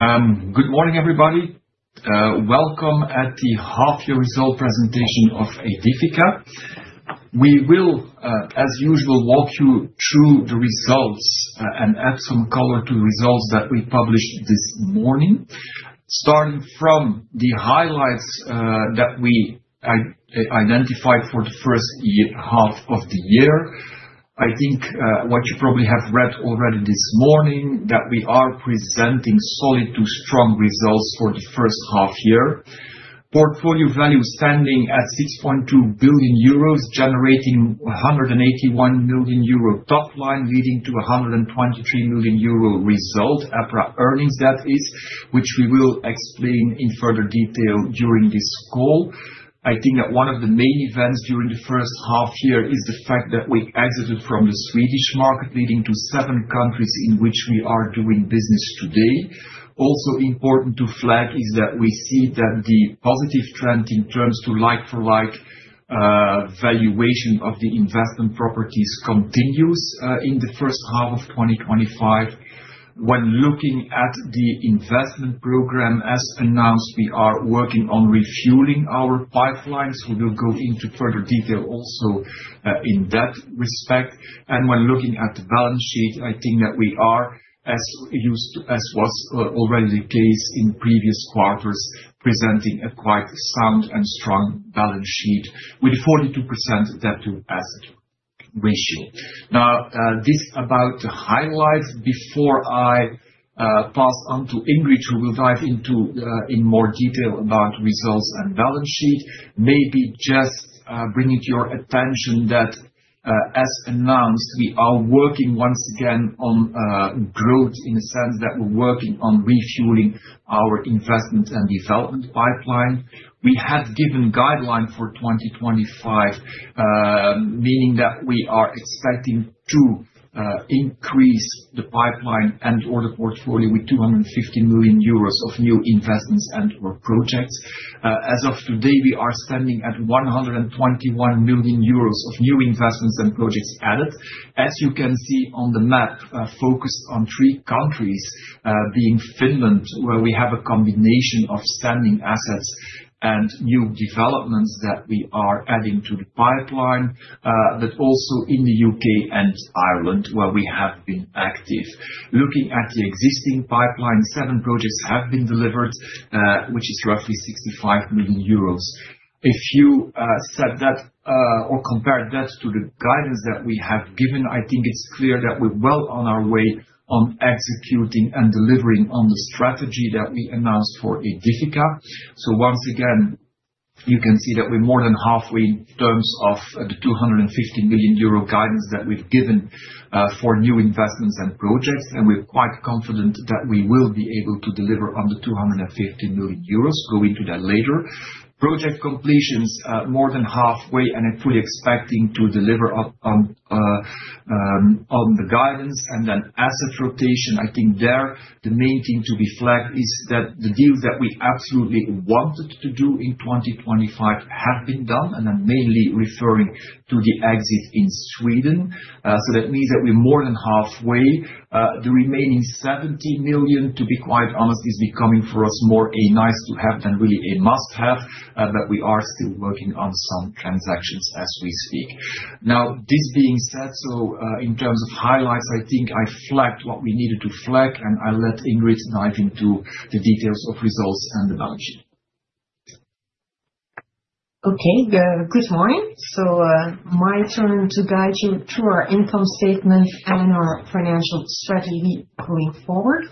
Good morning everybody. Welcome at the half year result presentation of Aedifica. We will as usual walk you through the results and add some color to the results that we published this morning. Starting from the highlights that we identified for the first half of the year. I think what you probably have read already this morning that we are presenting solid to strong results for the first half year. Portfolio value standing at 6.2 billion euros, generating 181 million euro top line leading to 123 million euro result EPRA earnings, that is which we will explain in further detail during this call. I think that one of the main events during the first half year is the fact that we exited from the Swedish market leading to seven countries in which we are doing business today. Also important to flag is that we see that the positive trend and in terms to like-for-like valuation of the investment properties continues in the first half of 2025. When looking at the investment program as announced, we are working on refueling our pipelines. We will go into further detail also in that respect and when looking at the balance sheet, I think that we are as was already the case in previous quarters, presenting a quite sound and strong balance sheet with a 42% debt-to-asset ratio. Now this about the highlights before I pass on to Ingrid, who will dive into in more detail about results and balance sheet. Maybe just bringing your attention that as announced, we are working once again on growth in the sense that we're working on refueling our investment and development pipeline. We have given guideline for 2025, meaning that we are expecting to increase the pipeline and order portfolio with 250 million euros of new investments and or projects. As of today we are standing at 121 million euros of new investments and projects added. As you can see on the map focused on three countries being Finland, where we have a combination of standing assets and new developments that are adding to the pipeline. Also in the U.K. and Ireland where we have been active looking at the existing pipeline, seven projects have been delivered which is roughly 65 million euros. If you said that or compare that to the guidance that we have given, I think it's clear that we're well on our way on executing and delivering on the strategy that we announced for Aedifica. Once again you can see that we're more than halfway in terms of the 250 million euro guidance that we've given for new investments and projects. We're quite confident that we will be able to deliver on the 250 million euros, go into that later, project completions. More than halfway and I'm fully expecting to deliver on the guidance. Then asset rotation, I think there the main thing to be flagged is that the deals that we absolutely wanted to do in 2025 have been, and I'm mainly referring to the exit in Sweden. That means that we're more than halfway. The remaining 70 million, to be quite honest, is becoming for us more a nice to have than really a must have. We are still working on some transactions as we speak. Now this being said, in terms of highlights, I think I flagged what we needed to flag and I let Ingrid Daerden dive into the details of results and the balance sheet. Okay, good morning. My turn to guide you through our income statement and our financial strategy going forward.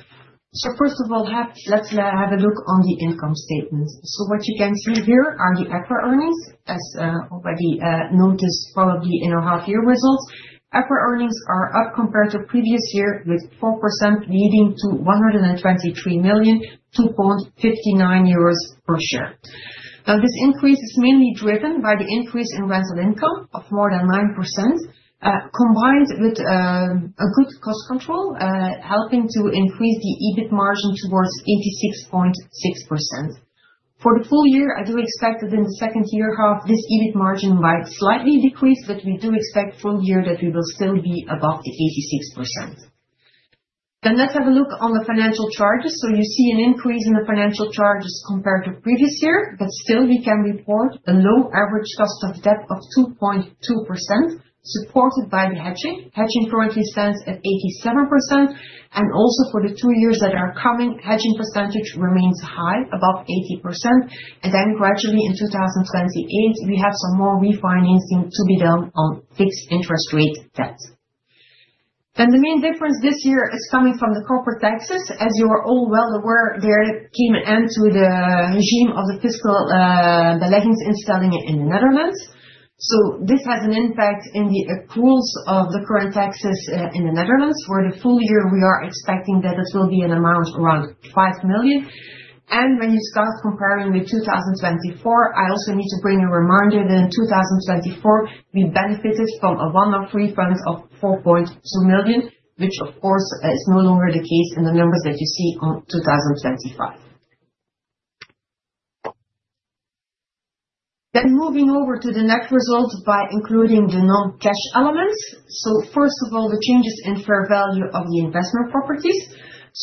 First of all let's have a look on the income statement. What you can see here are the EPRA earnings. As already noticed probably in our half year results, EPRA earnings are up compared to previous year with 4% leading to 123 million, 2.59 euros per share. This increase is mainly driven by the increase in rental income of more than 9% combined with a good cost control helping to increase the EBIT margin towards 86.6% for the full year. I do expect that in the second year half this EBIT margin might slightly decrease, but we do expect full year that we will still be above the 86%. Let's have a look on the financial charges. You see an increase in the financial charges compared to previous year. Still we can report a low average cost of debt of 2.2% supported by the hedging. Hedging currently stands at 87%. Also for the two years that are coming, hedging percentage remains high above 80%. Gradually in 2028 we have some more refinancing to be done on fixed interest rate debt. The main difference this year is coming from the corporate taxes. As you are all well aware, there came an end to the regime of the fiscal installingen in the Netherlands. This has an impact in the accruals of the current taxes in the Netherlands. For the full year we are expecting that this will be an amount around 5 million. When you start comparing with 2024 I also need to bring a reminder that in 2024 we benefited from a one off refund of 4.2 million, which of course is no longer the case in the numbers that you see on 2025. Moving over to the net result by including the non cash elements, first of all, the changes in fair value of the investment properties.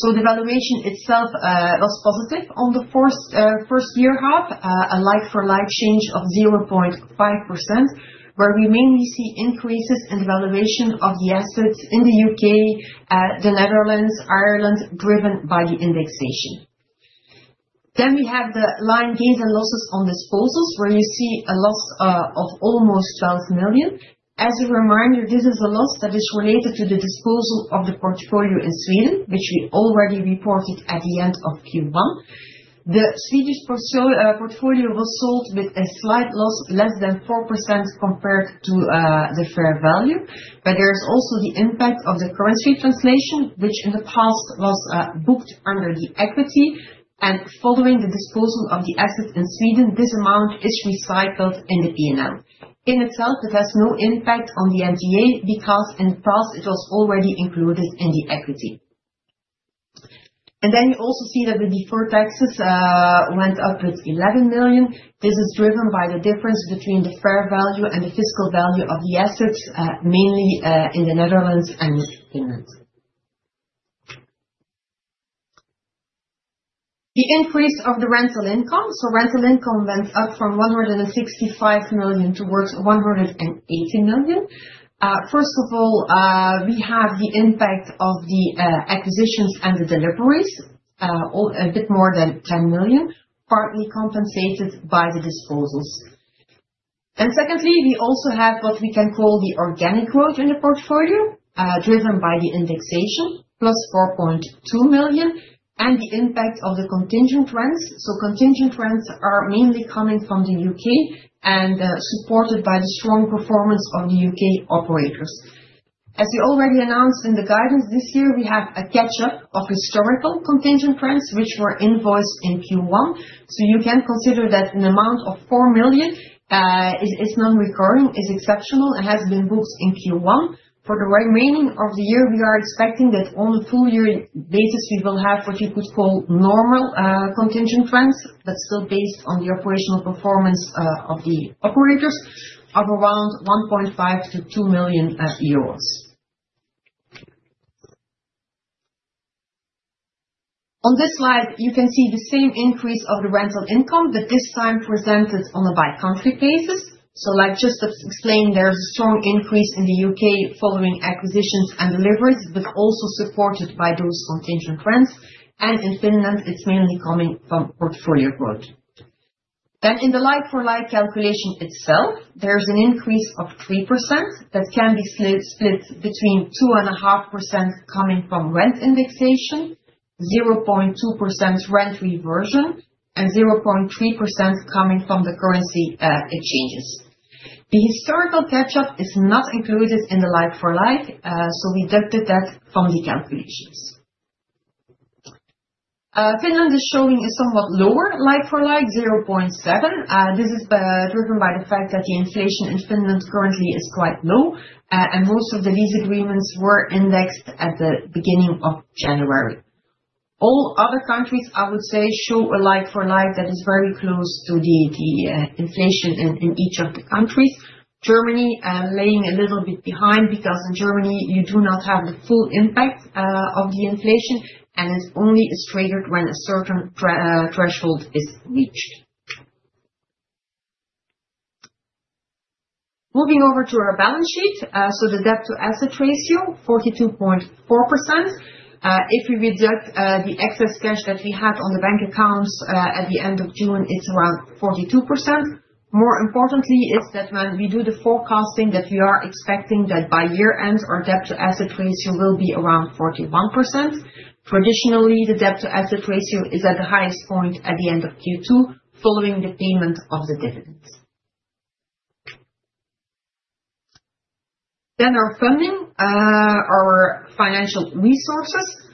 The valuation itself was positive on the first year hub, a like-for-like change of 0.5% where we mainly see increases in the valuation of the assets in the U.K., the Netherlands, Ireland, driven by the indexation. We have the line gains and losses on disposals where you see a loss of almost 12 million. As a reminder, this is a loss that is related to the disposal of the portfolio in Sweden, which we already reported at the end of Q1. The Swedish portfolio was sold with a slight loss less than 4% compared to the fair value. There is also the impact of the currency translation, which in the past was booked under the equity, and following the disposal of the assets in Sweden, this amount is recycled in the P&L. In itself, it has no impact on the NTA because in the past it was already included in the equity. You also see that the deferred taxes went up by 11 million. This is driven by the difference between the fair value and the fiscal value of the assets, mainly in the Netherlands and Finland, and the increase of the rental income. Rental income went up from 165 million towards 180 million. First of all, we have the impact of the acquisitions and the deliveries, a bit more than 10 million, partly compensated by the disposals. We also have what we can call the organic growth in the portfolio, driven by the indexation, +4.2 million, and the impact of the contingent rents. Contingent rents are mainly coming from the U.K. and supported by the strong performance of the U.K. operators. As we already announced in the guidance, this year we have a catch-up of historical contingent rents, which were invoiced in Q1. You can consider that an amount of 4 million is non-recurring, is exceptional, and has been booked in Q1. For the remaining of the year, we are expecting that on a full-year basis, we will have what you could call normal contingent rents. That's still based on the operational performance of the operators, of around EUR 1.5 million-EUR 2 million. On this slide, you can see the same increase of the rental income, but this time presented on a by-country basis. Like just explained, there's a strong increase in the U.K. following acquisitions and deliveries, but also supported by those contingent rents. In Finland, it's mainly coming from portfolio growth. In the like-for-like calculation itself, there's an increase of 3% that can be split between 2.5% coming from rent indexation, 0.2% rent reversion, and 0.3% coming from the currency exchanges. The historical catch-up is not included in the like-for-like, so we deducted that from the calculations. Finland is showing a somewhat lower like-for-like, 0.7%. This is driven by the fact that the inflation in Finland currently is quite low, and most of the lease agreements were indexed at the beginning of January. All other countries, I would say, show a like-for-like that is very close to the inflation in each of the countries. Germany laying a little bit behind because in Germany you do not have the full impact of the inflation and it only is triggered when a certain threshold is reached. Moving over to our balance sheet, the debt-to-asset ratio is 42.4%. If we reduce the excess cash that we had on the bank accounts at the end of June, it's around 42%. More importantly, when we do the forecasting, we are expecting that by year end our debt-to-asset ratio will be around 41%. Traditionally, the debt-to-asset ratio is at the highest point at the end of Q2, following the payment of the dividends. Our funding, our financial resources.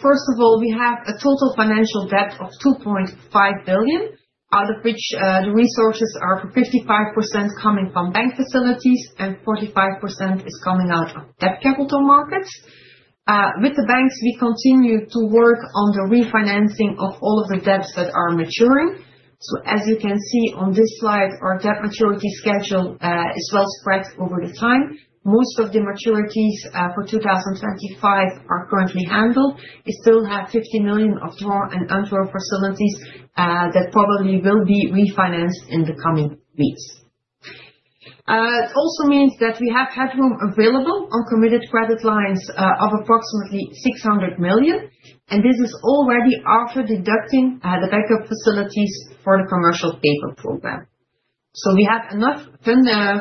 First of all, we have a total financial debt of 2.5 billion, out of which the resources are 55% coming from bank facilities and 45% is coming out of debt capital markets with the banks. We continue to work on the refinancing of all of the debts that are maturing. As you can see on this slide, our debt maturity schedule is well spread over time. Most of the maturities for 2025 are currently handled. We still have 50 million of drawn and undrawn facilities that probably will be refinanced in the coming weeks. It also means that we have headroom available on committed credit lines of approximately 600 million. This is already after deducting the backup facilities for the commercial paper program. We have enough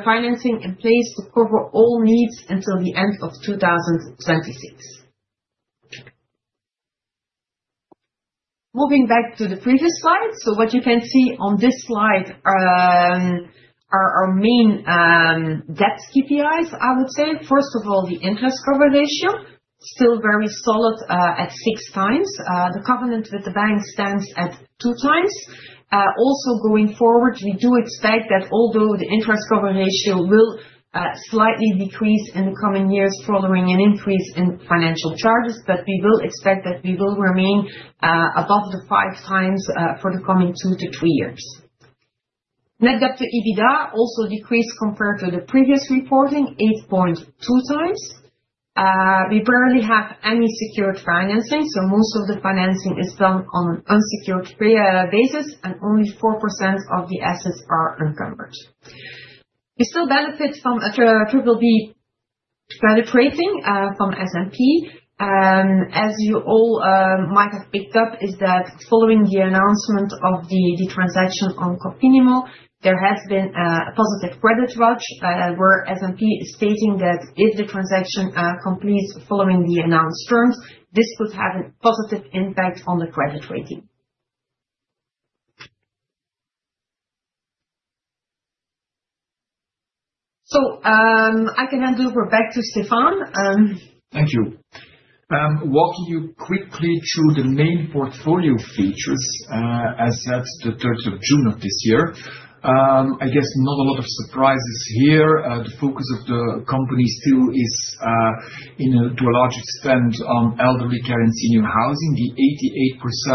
financing in place to cover all needs until the end of 2026. Moving back to the previous slide, what you can see on this slide are our main debt KPIs. I would say, first of all, the interest cover ratio is still very solid at 6x. The covenant with the bank stands at 2x. Also, going forward, we do expect that although the interest cover ratio will slightly decrease in the coming years following an increase in financial charges, we expect that we will remain above five times for the coming two to three years. Net debt to EBITDA also decreased compared to the previous reporting, 8.2x. We barely have any secured financing. Most of the financing is done on an unsecured basis and only 4% of the assets are encumbered. We still benefit from a BBB credit rating from S&P. As you all might have picked up, following the announcement of the transaction on Cofinimmo, there has been a positive credit rush where S&P is stating that if the transaction completes following the announced terms, this could have a positive impact on the credit rating. I can hand over back to Stefaan, thank you. Walking you quickly through the main portfolio features as at the 30th of June of this year, I guess not a lot of surprises here. The focus of the company still is to a large extent on elderly care and senior housing. The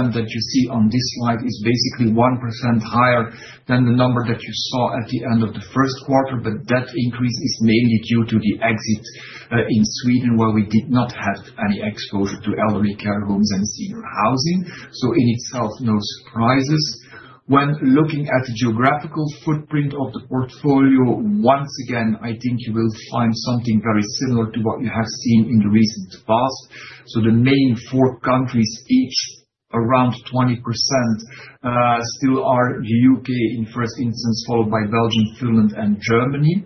88% that you see on this slide is basically 1% higher than the number that you saw at the end of the first quarter. That increase is mainly due to the exit in Sweden where we did not have any exposure to elderly care homes and senior housing. In itself, no surprises when looking at the geographical footprint of the portfolio. Once again, I think you will find something very similar to what you have seen in the recent past. The main four countries, each around 20%, still are the U.K. in first instance, followed by Belgium, Finland, and Germany.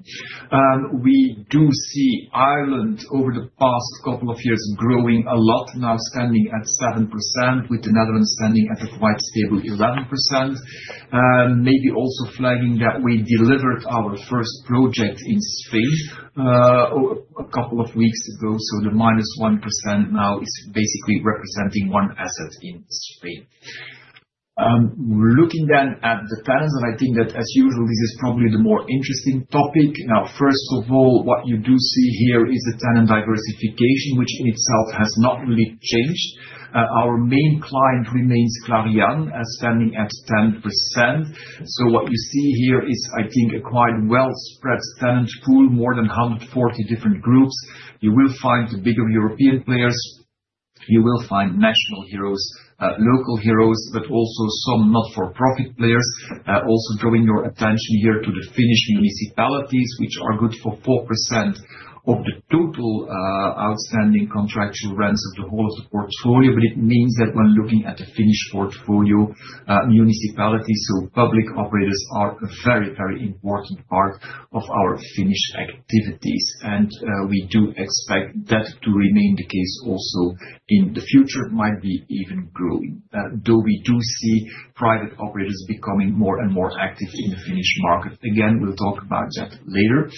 We do see Ireland over the past couple of years growing a lot, now standing at 7%, with the Netherlands standing at a quite stable 11%, maybe also flagging that. We delivered our first project in Spain a couple of weeks ago. The -1% now is basically representing one asset in Spain. Looking then at the tenants, and I think that as usual, this is probably the more interesting topic now. First of all, what you do see here is the tenant diversification, which itself has not really changed. Our main client remains Clariane, standing at 10%. What you see here is, I think, a quite well spread tenant pool, more than 140 different groups. You will find bigger European players, you will find national heroes, local heroes, but also some not for profit players. Also drawing your attention here to the Finnish municipalities, which are good for 4% of the total outstanding contractual rents of the whole of the portfolio. It means that when looking at the Finnish portfolio, municipalities, so public operators, are a very, very important part of our Finnish activities, and we do expect that to remain the case. Also in the future, might even be growing, though we do see private operators becoming more and more active in the Finnish market. Again, we'll talk about that later.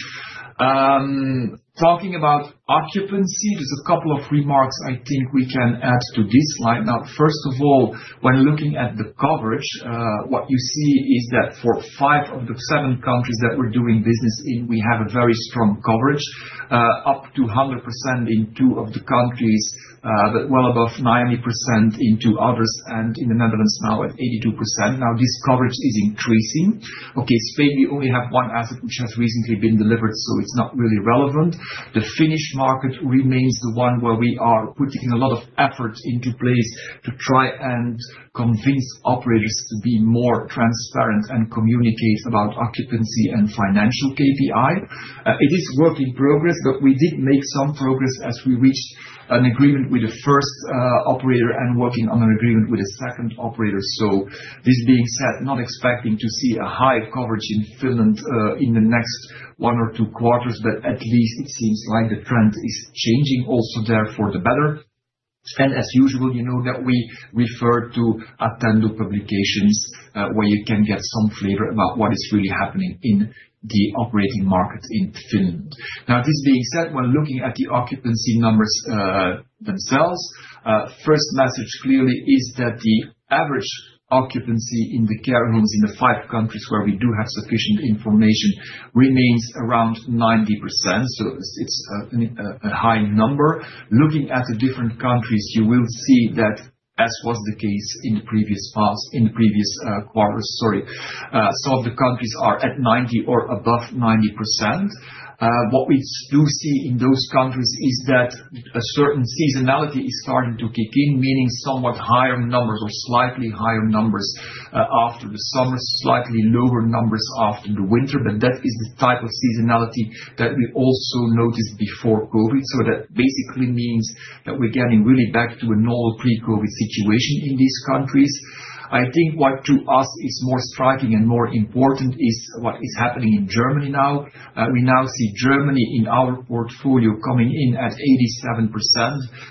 Talking about occupancy, there's a couple of remarks I think we can add to this slide. First of all, when looking at the coverage, what you see is that for five of the seven countries that we're doing business in, we have a very strong coverage, up to 100% in two of the countries, but well above 90% in two others, and in the Netherlands now at 82%. This coverage is increasing. Okay, Spain, we only have one asset which has recently been delivered, so it's not really relevant. The Finnish market remains the one where we are putting a lot of effort into place to try and convince operators to be more transparent and communicate about occupancy and financial KPI. It is work in progress, but we did make some progress as we reached an agreement with the first operator and are working on an agreement with a second operator. This being said, not expecting to see a high coverage in Finland in the next one or two quarters, but at least it seems like the trend is changing. Also there for the better. As usual, you know that we refer to Attendo publications where you can get some flavor about what is really happening in the operating market in Finland. Now, this being said, when looking at the occupancy numbers themselves, first message clearly is that the average occupancy in the care homes in the five countries where we do have sufficient information remains around 90%. It's a high number. Looking at the different countries, you will see that as was the case in the previous past, in the previous quarter, some of the countries are at 90% or above 90%. What we do see in those countries is that a certain seasonality is starting to kick in, meaning somewhat higher numbers or slightly higher numbers after the summer, slightly lower numbers after the winter. That is the type of seasonality that we also noticed before COVID. That basically means that we're getting really back to a normal pre-COVID situation in these countries. I think what to us is more striking and more important is what is happening in Germany now. We now see Germany in our portfolio coming in at 87%.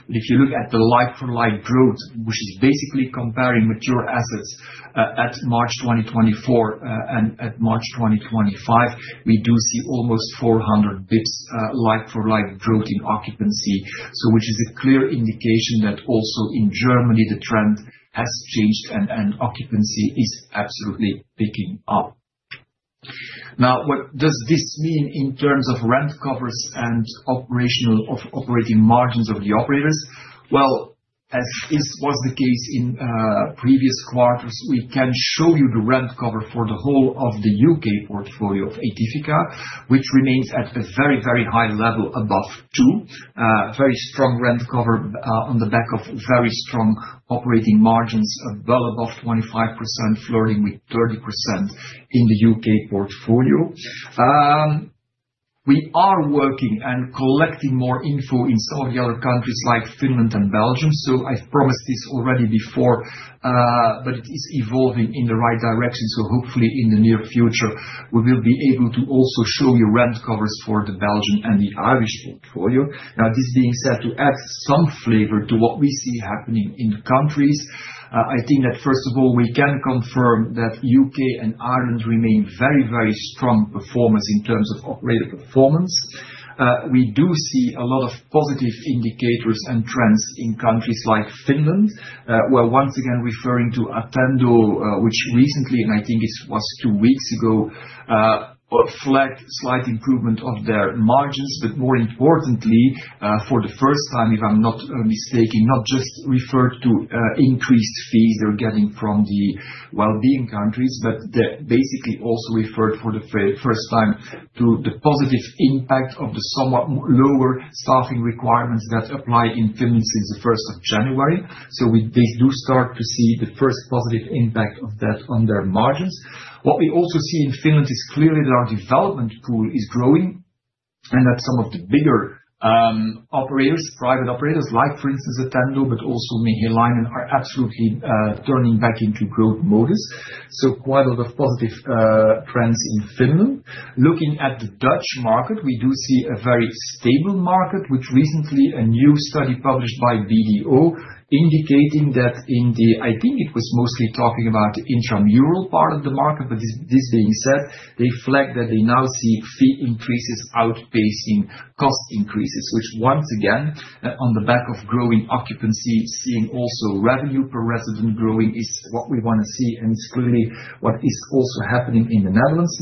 If you look at the like-for-like growth, which is basically comparing mature assets at March 2024 and at March 2025, we do see almost 400 bps like-for-like growth in occupancy, which is a clear indication that also in Germany the trend has changed and occupancy is absolutely picking up. Now, what does this mean in terms of rent covers and operating margins of the operators? As this was the case in previous quarters, we can show you the rent cover for the whole of the U.K. portfolio of Aedifica, which remains at a very, very high level above 2, very strong rent cover on the back of very strong operating margins well above 25%, flirting with 30% in the U.K. portfolio. We are working and collecting more info in some of the other countries like Finland and Belgium. I promised this already before, but it is evolving in the right direction. Hopefully in the near future we will be able to also show you rent covers for the Belgian and the Irish portfolio. This being said, to add some flavor to what we see happening in countries, I think that first of all we can confirm that U.K. and Ireland remain very, very strong performers in terms of operator performance. We do see a lot of positive indicators and trends in countries like Finland. Once again referring to Attendo, which recently, and I think it was two weeks ago, flagged slight improvement of their margins. More importantly, for the first time, if I'm not mistaken, not just referred to increased fees they're getting from the well-being countries, but basically also referred for the first time to the positive impact of the somewhat lower staffing requirements that apply in Finland since January 1. They do start to see the first positive impact of that on their margins. What we also see in Finland is clearly that our development pool is growing and that some of the bigger operators, private operators like for instance Attendo but also Mehiläinen, are absolutely turning back into growth modus. Quite a lot of positive trends in Finland. Looking at the Dutch market, we do see a very stable market, which recently a new study published by BDO indicating that in the, I think it was mostly talking about the intramural part of the market, but this being said, they flagged that they now see fee increases outpacing cost increases, which once again on the back of growing occupancy, seeing also revenue per resident growing, is what we want to see and it's clearly what is also happening in the Netherlands.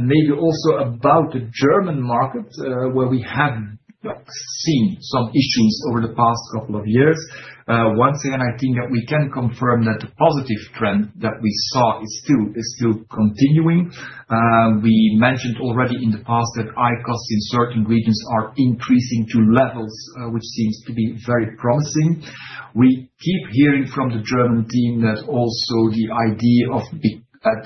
Maybe also about the German market where we have seen some issues over the past couple of years. I think that we can confirm that the positive trend that we saw is still continuing. We mentioned already in the past that costs in certain regions are increasing to levels which seem to be very promising. We keep hearing from the German team that also the idea of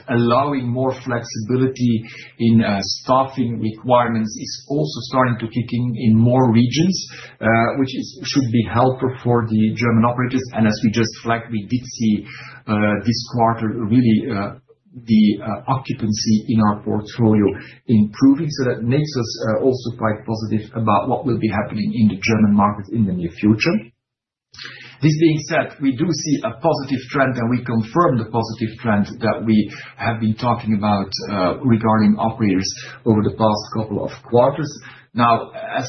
allowing more flexibility in staffing requirements is also starting to kick in in more regions, which should be helpful for the German operators. As we just flagged, we did see this quarter really the occupancy in our portfolio improving. That makes us also quite positive about what will be happening in the German market in the near future. This being said, we do see a positive trend and we confirm the positive trend that we have been talking about regarding operators over the past couple of quarters now. As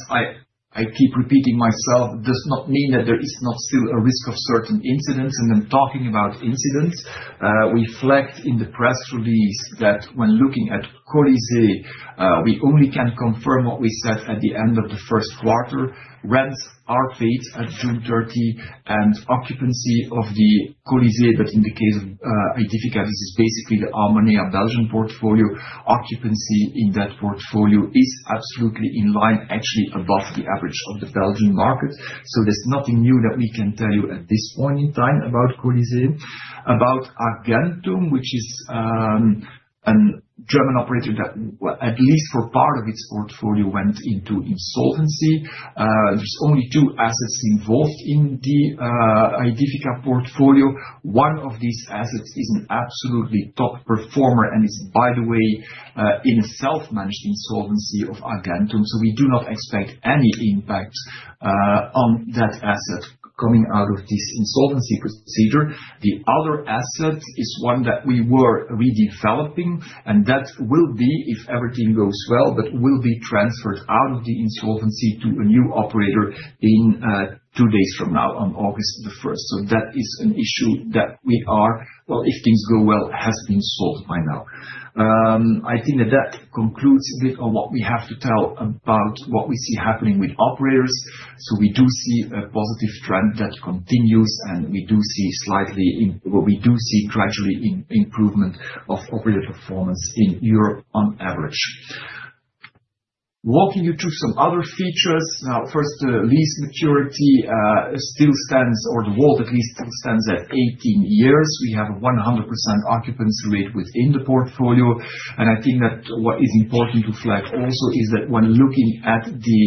I keep repeating myself, it does not mean that there is not still a risk of certain incidents. Talking about incidents, we reflect in the press release that when looking at Colisée, we only can confirm what we said at the end of the first quarter. Rents are paid at June 30 and occupancy of the Colisée. In the case of Ithaca, this is basically the Armonea, a Belgian portfolio. Occupancy in that portfolio is absolutely in line, actually above the average of the Belgian market. There is nothing new that we can tell you at this point in time about Colisée, about Argentum, which is a German operator that at least for part of its portfolio went into insolvency. There are only two assets involved in the Aedifica portfolio. One of these assets is an absolutely top performer and it's, by the way, in a s+elf-managed insolvency of Argentum. We do not expect any impact on that asset coming out of this insolvency procedure. The other asset is one that we were redeveloping and that will be, if everything goes well, transferred out of the insolvency to a new operator in two days from now on August 1. That is an issue that, if things go well, has been solved by now. I think that concludes what we have to tell about what we see happening with operators. We do see a positive trend that continues and we do see gradually improvement of operating performance in Europe on average. Walking you through some other features. First, the lease maturity still stands, or the weighted lease still stands at 18 years. We have a 100% occupancy rate within the portfolio. I think that what is important to flag also is that when looking at the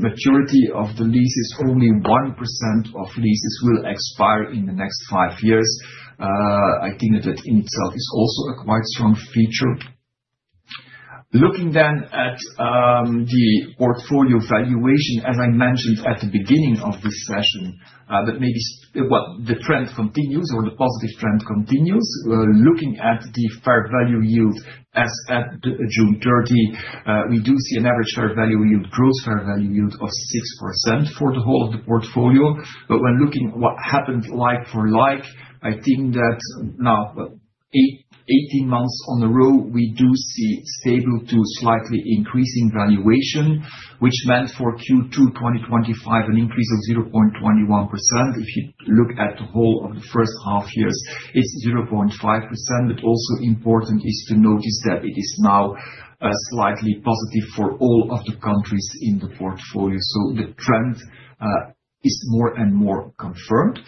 maturity of the leases, only 1% of leases will expire in the next five years. I think that in itself is also a quite strong feature. Looking then at the portfolio valuation, as I mentioned at the beginning of this session, the trend continues or the positive trend continues. Looking at the fair value yield as at June 30, we do see an average fair value yield, gross fair value yield of 6% for the whole of the portfolio. When looking at what happened, like-for-like, I think that now 18 months in a row, we do see stable to slightly increasing valuation, which meant for Q2 2025, an increase of 0.21%. If you look at the whole of the first half year, it's 0.5%. Also important is to notice that it is now slightly positive for all of the countries in the portfolio. The trend is more and more confirmed.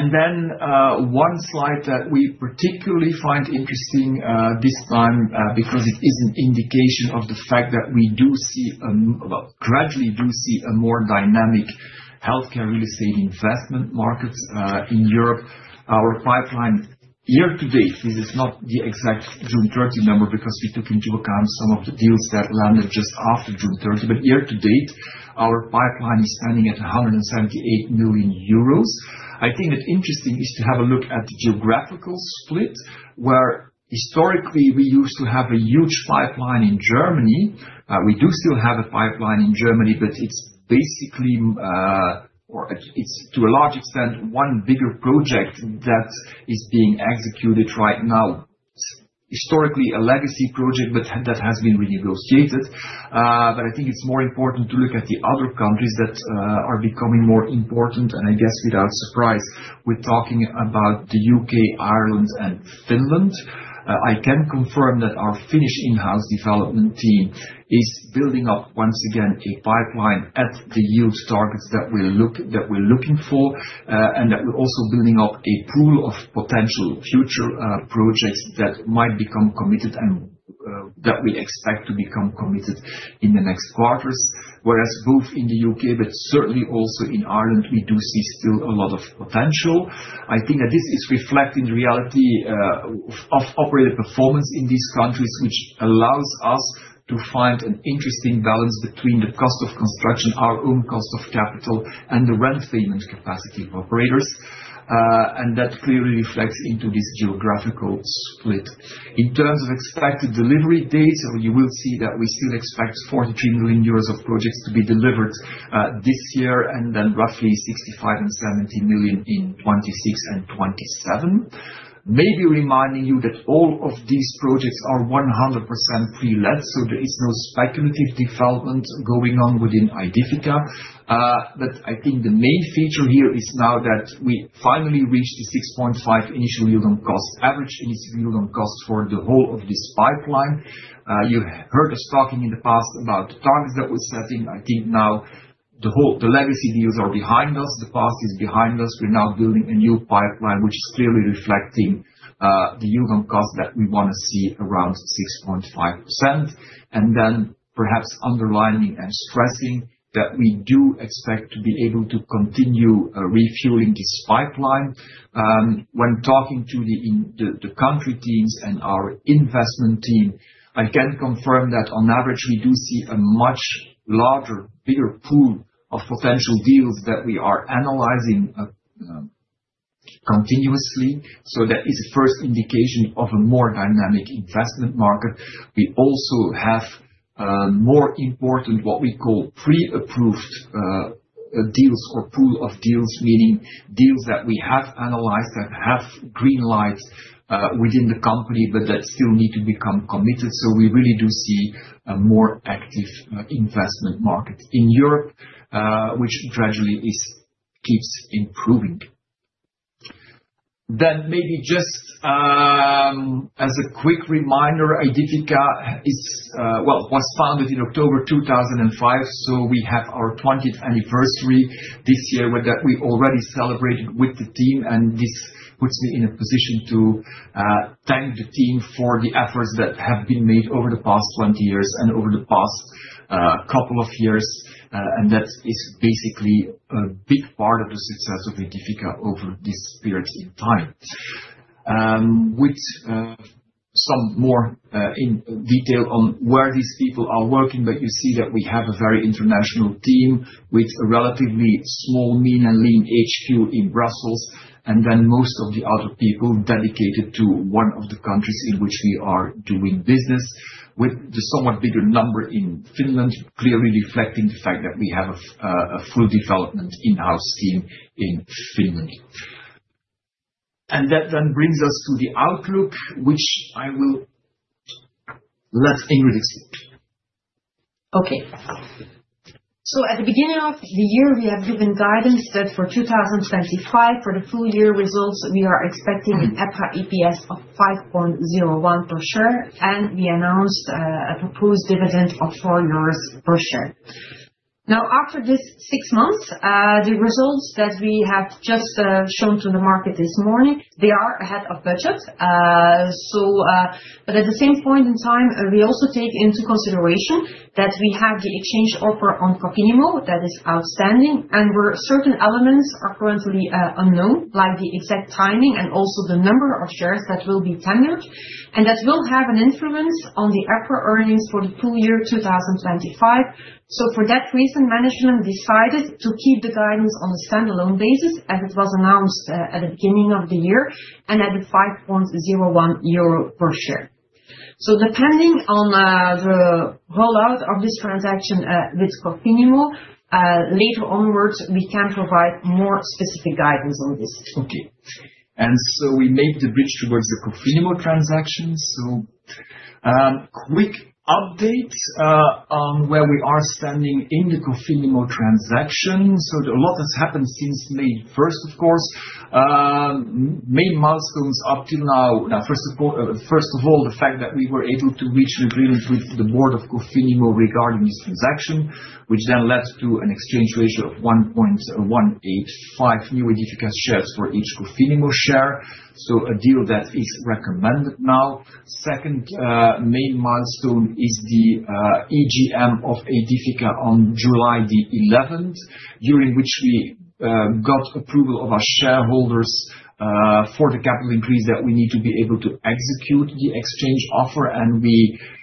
One slide that we particularly find interesting this time is an indication of the fact that we do see, gradually, a more dynamic healthcare real estate investment market in Europe. Our pipeline year-to-date—this is not the exact June 30 number because we took into account some of the deals that landed just after June 30—but year-to-date our pipeline is standing at 178 million euros. I think that interesting is to have a look at the geographical split where historically we used to have a huge pipeline in Germany. We do still have a pipeline in Germany, but it's basically to a large extent one bigger project that is being executed right now, historically a legacy project, but that has been renegotiated. I think it's more important to look at the other countries that are becoming more important. I guess without surprise, we're talking about the U.K., Ireland, and Finland. I can confirm that our Finnish in-house development team is building up once again a pipeline at the yield targets that we're looking for and that we're also building up a pool of potential future projects that might become committed and that we expect to become committed in the next quarters. Whereas both in the U.K., but certainly also in Ireland, we do see still a lot of potential. I think that this is reflecting the reality of operating performance in these countries, which allows us to find an interesting balance between the cost of construction, our own cost of capital, and the rent payment capacity of operators. That clearly reflects into this geographical split. In terms of expected delivery dates, you will see that we still expect 43 million euros of projects to be delivered this year and then roughly 65 million and 70 million in 2026 and 2027. Maybe reminding you that all of these projects are 100% pre-let, so there is no speculative development going on within Aedifica. I think the main feature here is now that we finally reached the 6.5% initial yield on cost, average initial yield on cost for the whole of this pipeline. You heard us talking in the past about the targets that we're setting. I think now the legacy deals are behind us. The past is behind us. We're now building a new pipeline which is clearly reflecting the yield on cost that we want to see around 6.5%. Perhaps underlining and stressing that we do expect to be able to continue refueling this pipeline. When talking to the country teams and our investment, I can confirm that on average we do see a much larger, bigger pool of potential deals that we are analyzing continuously. That is the first indication of a more dynamic investment market. We also have more important what we call pre-approved deals or pool of deals, meaning deals that we have analyzed and have green light within the company, but that still need to become committed. We really do see a more active investment market in Europe, which gradually keeps improving. Maybe just as a quick reminder, Aedifica was founded in October 2005. We have our 20th anniversary this year that we already celebrated with the team. This puts me in a position to thank the team for the efforts that have been made over the past 20 years and over the past couple of years. That is basically a big part of the success of Aedifica over this period in time. With some more detail on where these people are working, you see that we have a very international team with a relatively small, mean and lean HQ in Brussels and then most of the other people dedicated to one of the countries in which we are doing business, with the somewhat bigger number in Finland, clearly reflecting the fact that we have a full development in-house team in Finland. That then brings us to the outlook which I will let Ingrid Daerden. Okay, so at the beginning of the year we have given guidance that for 2025, for the full year results, we are expecting an EPRA EPS of 5.01 per share and we announced a proposed dividend of 4 euros per share. Now, after this six months, the results that we have just shown to the market this morning, they are ahead of budget. At the same point in time we also take into consideration that we have the exchange offer on Cofinimmo that is outstanding and where certain elements are currently unknown, like the exact timing and also the number of shares that will be tendered and that will have an influence on the EPRA earnings for the full year 2025. For that reason, management decided to keep the guidance on a standalone basis, as it was announced at the beginning of the year and at 5.01 euro per share. Depending on the rollout of this transaction with Cofinimmo later onwards, we can provide more specific guidance on this. Okay, and so we made the bridge towards the Cofinimmo transaction. Quick update on where we are standing in the Cofinimmo transaction. A lot has happened since May 1, of course, main milestones up till now, first of all, the fact that we were able to reach an agreement with the board of Cofinimmo regarding this transaction, which then led to an exchange ratio of 1.185 new Aedifica shares for each Cofinimmo share. A deal that is recommended. Second main milestone is the EGM of Aedifica on July 11, during which we got approval of our shareholders for the capital increase that we need to be able to execute the exchange offer.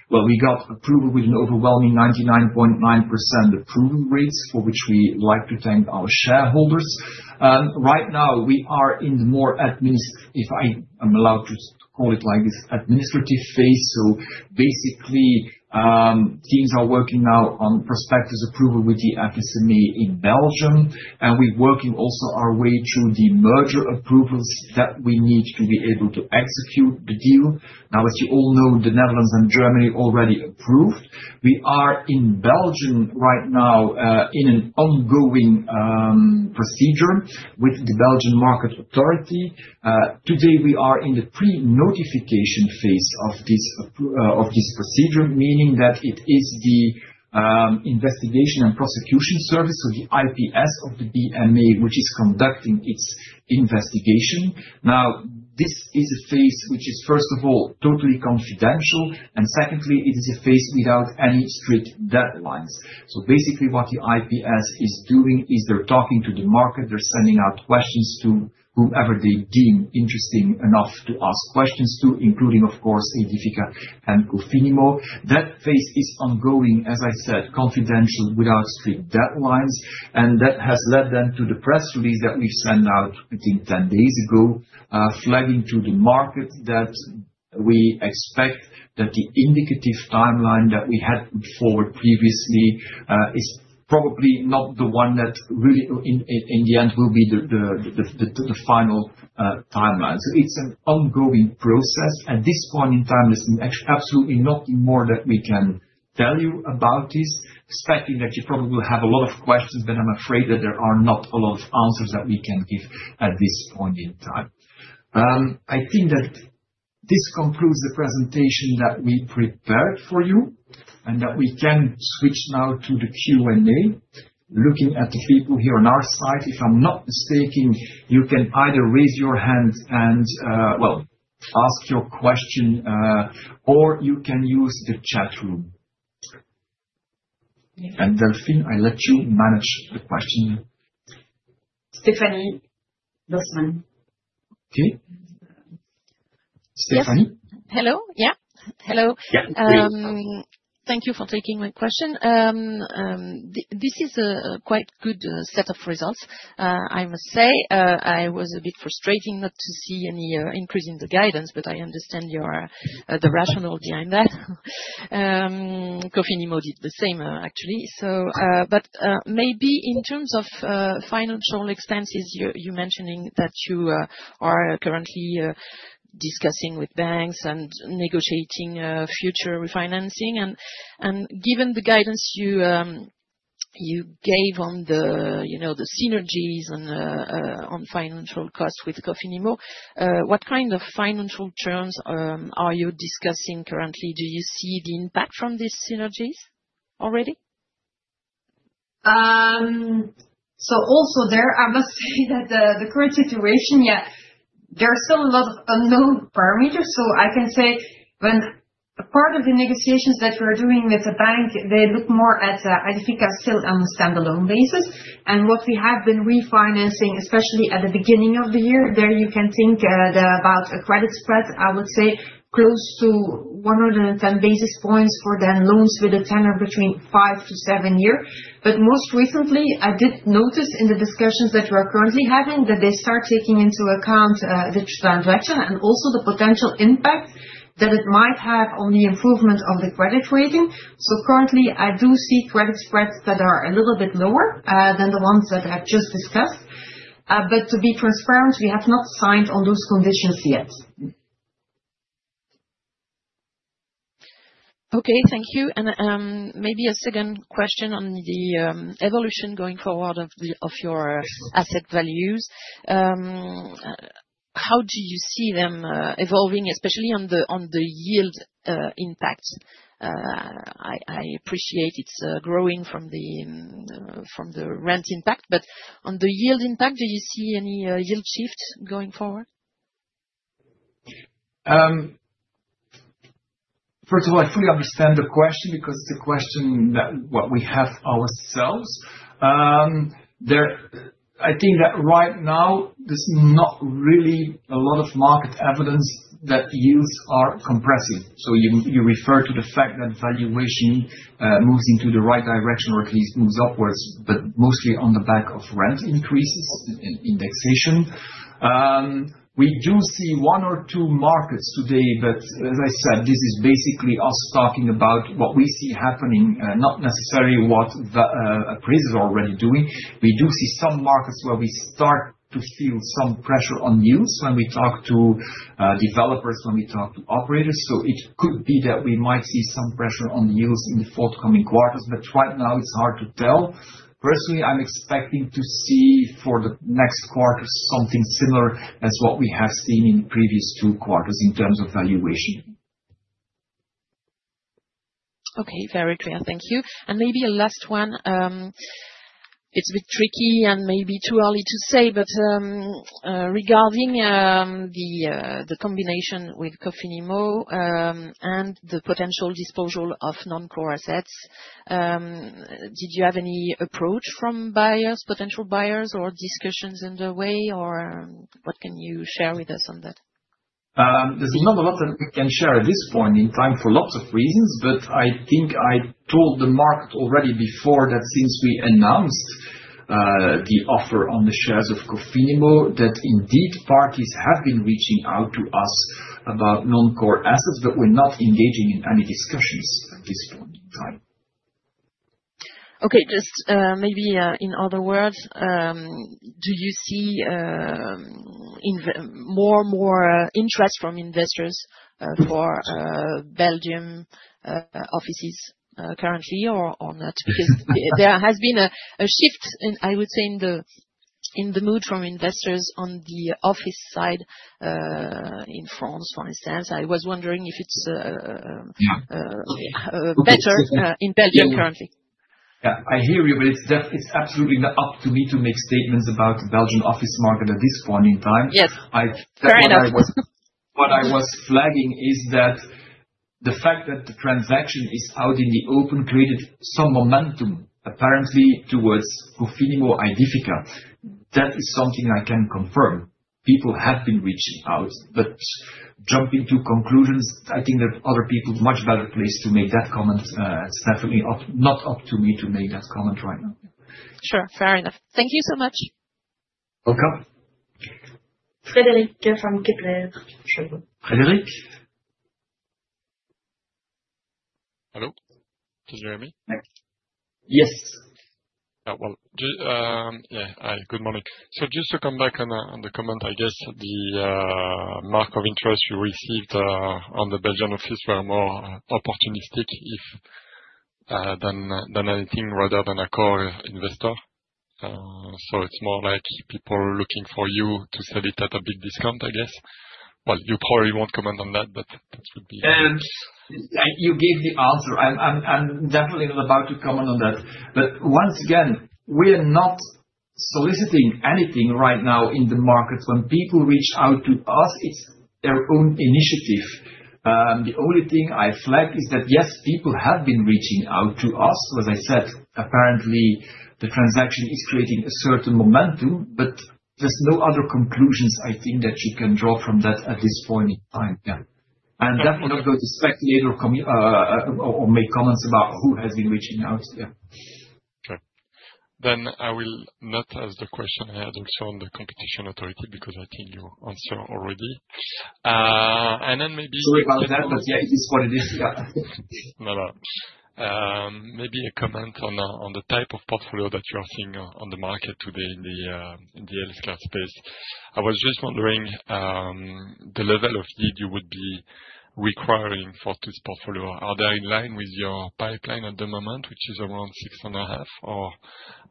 We got approval with an overwhelming 99.9% approval rate for which we like to thank our shareholders. Right now we are in the more administrative, if I am allowed to call it like this, administrative phase. Basically, teams are working now on prospectus approval with the FSMA in Belgium and we're working also our way through the merger approvals that we need to be able to execute the deal. As you all know, the Netherlands and Germany already approved. We are in Belgium right now in an ongoing procedure with the Belgian market authority. Today we are in the pre-market notification phase of this procedure, meaning that it is the Investigation and Prosecution Service, the IPS of the BMA, which is conducting its investigation now. This is a phase which is first of all totally confidential and secondly, it is a phase without any strict deadlines. Basically, what the IPS is doing is they're talking to the market, they're sending out questions to whomever they deem interesting enough to ask questions to, including of course, Aedifica and Cofinimmo. That phase is ongoing, as I said, confidential, without strict deadlines. That has led them to the press release that we sent out, I think, 10 days ago, flagging to the market that we expect that the indicative timeline that we had put forward previously is probably not the one that really in the end will be the final timeline. It's an ongoing process at this point in time. There's absolutely nothing more that we can tell you about this. Expecting that you probably will have a lot of questions, but I'm afraid that there are not a lot of answers that we can give at this point in time. I think that this concludes the presentation that we prepared for you and that we can switch now to the Q&A. Looking at the people here on our side, if I'm not mistaken, you can either raise your hand and ask your question or you can use the chat room. Delphine, I let you manage the question. Stephanie, hello. Yeah, hello. Thank you for taking my question. This is a quite good set of results, I must say. I was a bit frustrated not to see any increase in the guidance, but I understand the rationale behind that. Cofinimmo did the same actually. Maybe in terms of financial extensions, you mentioned that you are currently discussing with banks and negotiating future refinancing, and given the guidance you gave on the synergies on financial costs with Cofinimmo, what kind of financial terms are you discussing currently? Do you see the impact from these synergies already? I must say that the current situation, there are still a lot of unknown parameters. I can say when part of the negotiations that we're doing with the bank, they look more at still on a standalone basis, and what we have been refinancing, especially at the beginning of the year, you can think about a credit spread, I would say close to 110 basis points for loans with a tenor between five to seven years. Most recently, I did notice in the discussions that we are currently having that they start taking into account the transaction and also the potential impact that it might have on the improvement of the credit rating. Currently, I do see credit spreads that are a little bit lower than the ones that I've just discussed. To be transparent, we have not signed on those conditions yet. Thank you. Maybe a second question on the evolution going forward of your asset values, how do you see them evolving? Especially on the yield impact? I appreciate it's growing from the rent impact, but on the yield impact, do you see any yield shift going forward? First of all, I fully understand the question because it's a question that we have ourselves. I think that right now there's not really a lot of market evidence that yields are compressive. You refer to the fact that valuation moves into the right direction or at least moves upwards, but mostly on the back of rent increases indexation. We do see one or two markets today, but as I said, this is basically us talking about what we see happening, not necessarily what appraisals are already doing. We do see some markets where we start to feel some pressure on yields when we talk to developers, when we talk to operators. It could be that we might see some pressure on yields in the forthcoming quarters, but right now it's hard to tell. Personally I'm expecting to see for the next quarter something similar as what we have seen in previous two quarters in terms of valuation. Okay, very clear, thank you. Maybe a last one. It's a bit tricky and maybe too early to say, but regarding the combination with Cofinimmo and the potential disposal of non-core assets, did you have any approach from buyers, potential buyers, or discussions underway, or what can you share with us on that? There's not a lot we can share at this point in time for lots of reasons. I think I told the market already before that since we announced the offer on the shares of Cofinimmo that indeed parties have been reaching out to us about non-core assets. We're not engaging in any discussions at this point in time. Okay. In other words, do you see more and more interest from investors for Belgium offices currently or not? Because there has been a shift, I would say in the mood from investors on the office side in France, for instance. I was wondering if it's better in Belgium currently. I hear you, but it's absolutely not up to me to make statements about the Belgian office market at this point in time. Yes, fair enough. What I was flagging is that the fact that the transaction is out in the open created some momentum apparently towards Cofinimmo and Aedifica. That is something I can confirm. People have been reaching out, but jumping to conclusions. I think that other people are much better placed to make that comment. It's definitely not up to me to make that comment right now. Sure, fair enough. Thank you so much. Welcome Frederic from Kepler. Frederic, hello, can you hear me? Yes, good morning. Just to come back on the comment, I guess the mark of interest you received on the Belgian office were more opportunistic than anything rather than a core investor. It is more like people looking for you to sell it at a big discount, I guess. You probably won't comment on that, but that would be. You gave the answer. I'm definitely not about to comment on that. Once again, we are not soliciting anything right now in the market. When people reach out to us, it's their own initiative. The only thing I flag is that yes, people have been reaching out to us. As I said, apparently the transaction is creating a certain momentum. There are no other conclusions I think that you can draw from that at this point in time and I will not go to speculate or make comments about who has been reaching out. I will not ask the question I had also on the competition authority because I think you answered already and maybe sorry about that. It is what it is. Maybe a comment on the type of portfolio that you are seeing on the market today in the healthcare space. I was just wondering the level of yield you would be requiring for this portfolio, are they in line with your pipeline at the moment, which is around 6.5%, or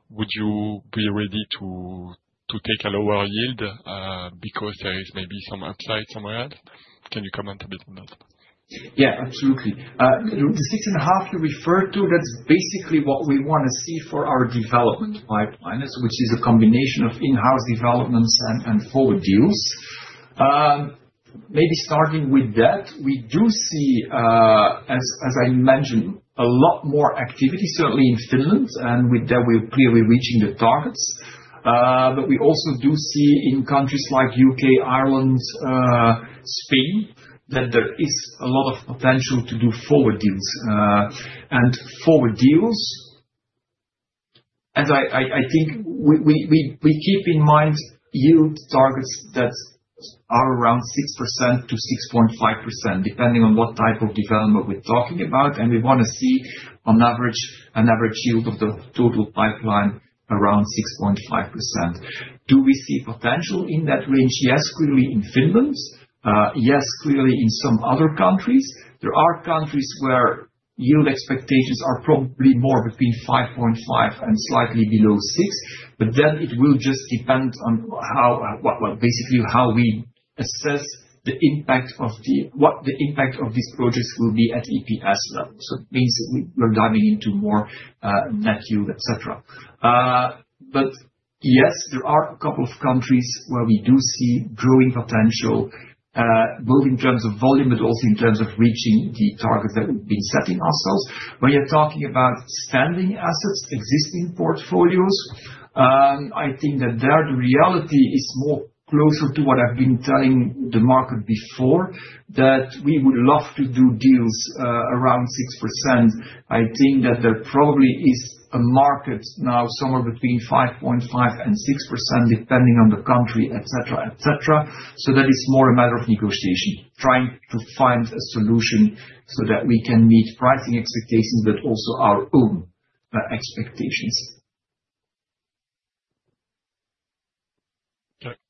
would you be ready to take a lower yield because there is maybe some upside somewhere else. Can you comment a bit on that? Yeah, absolutely. The 6.5% you referred to, that's basically what we want to see for our development pipeline, which is a combination of in-house developments and forward deals. Maybe starting with that. We do see, as I mentioned, a lot more activity certainly in Finland and with that we're clearly reaching the targets. We also do see in countries like the U.K., Ireland, Spain that there is a lot of potential to do forward deals. I think we keep in mind yield targets that are around 6% to 6.5% depending on what type of development we're talking about. We want to see on average an average yield of the total pipeline around 6.5%. Do we see potential in that range? Yes, clearly in Finland, yes, clearly in some other countries. There are countries where yield expectations are probably more between 5.5% and slightly below 6%. It will just depend on how well, basically how we assess what the impact of these projects will be at EPRA EPS level. It means that we're diving into more net yield, etc. Yes, there are a couple of countries where we do see growing potential, both in terms of volume but also in terms of reaching the target that we've been setting ourselves. When you're talking about standing assets, existing portfolios, I think that there the reality is more closer to what I've been telling the market before, that we would love to do deals around 6%. I think that there probably is a market now somewhere between 5.5% and 6% depending on the country, etc. So that is more a matter of negotiation, trying to find a solution so that we can meet pricing expectations, but also our own expectations.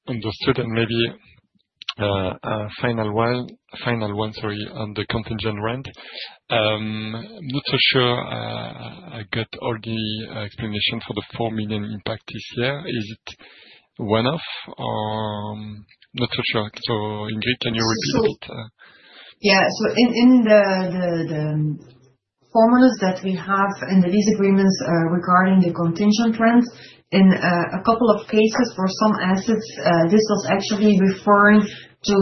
Understood. Maybe final one, sorry. On the contingent rent, I'm not so sure I got all the explanation for the 4 million impact this year. Is it one off or not so sure. Ingrid, can you repeat a bit? Yeah. In the formulas that we have in the disagreements regarding the contingent rents in a couple of cases for some assets, this was actually referring to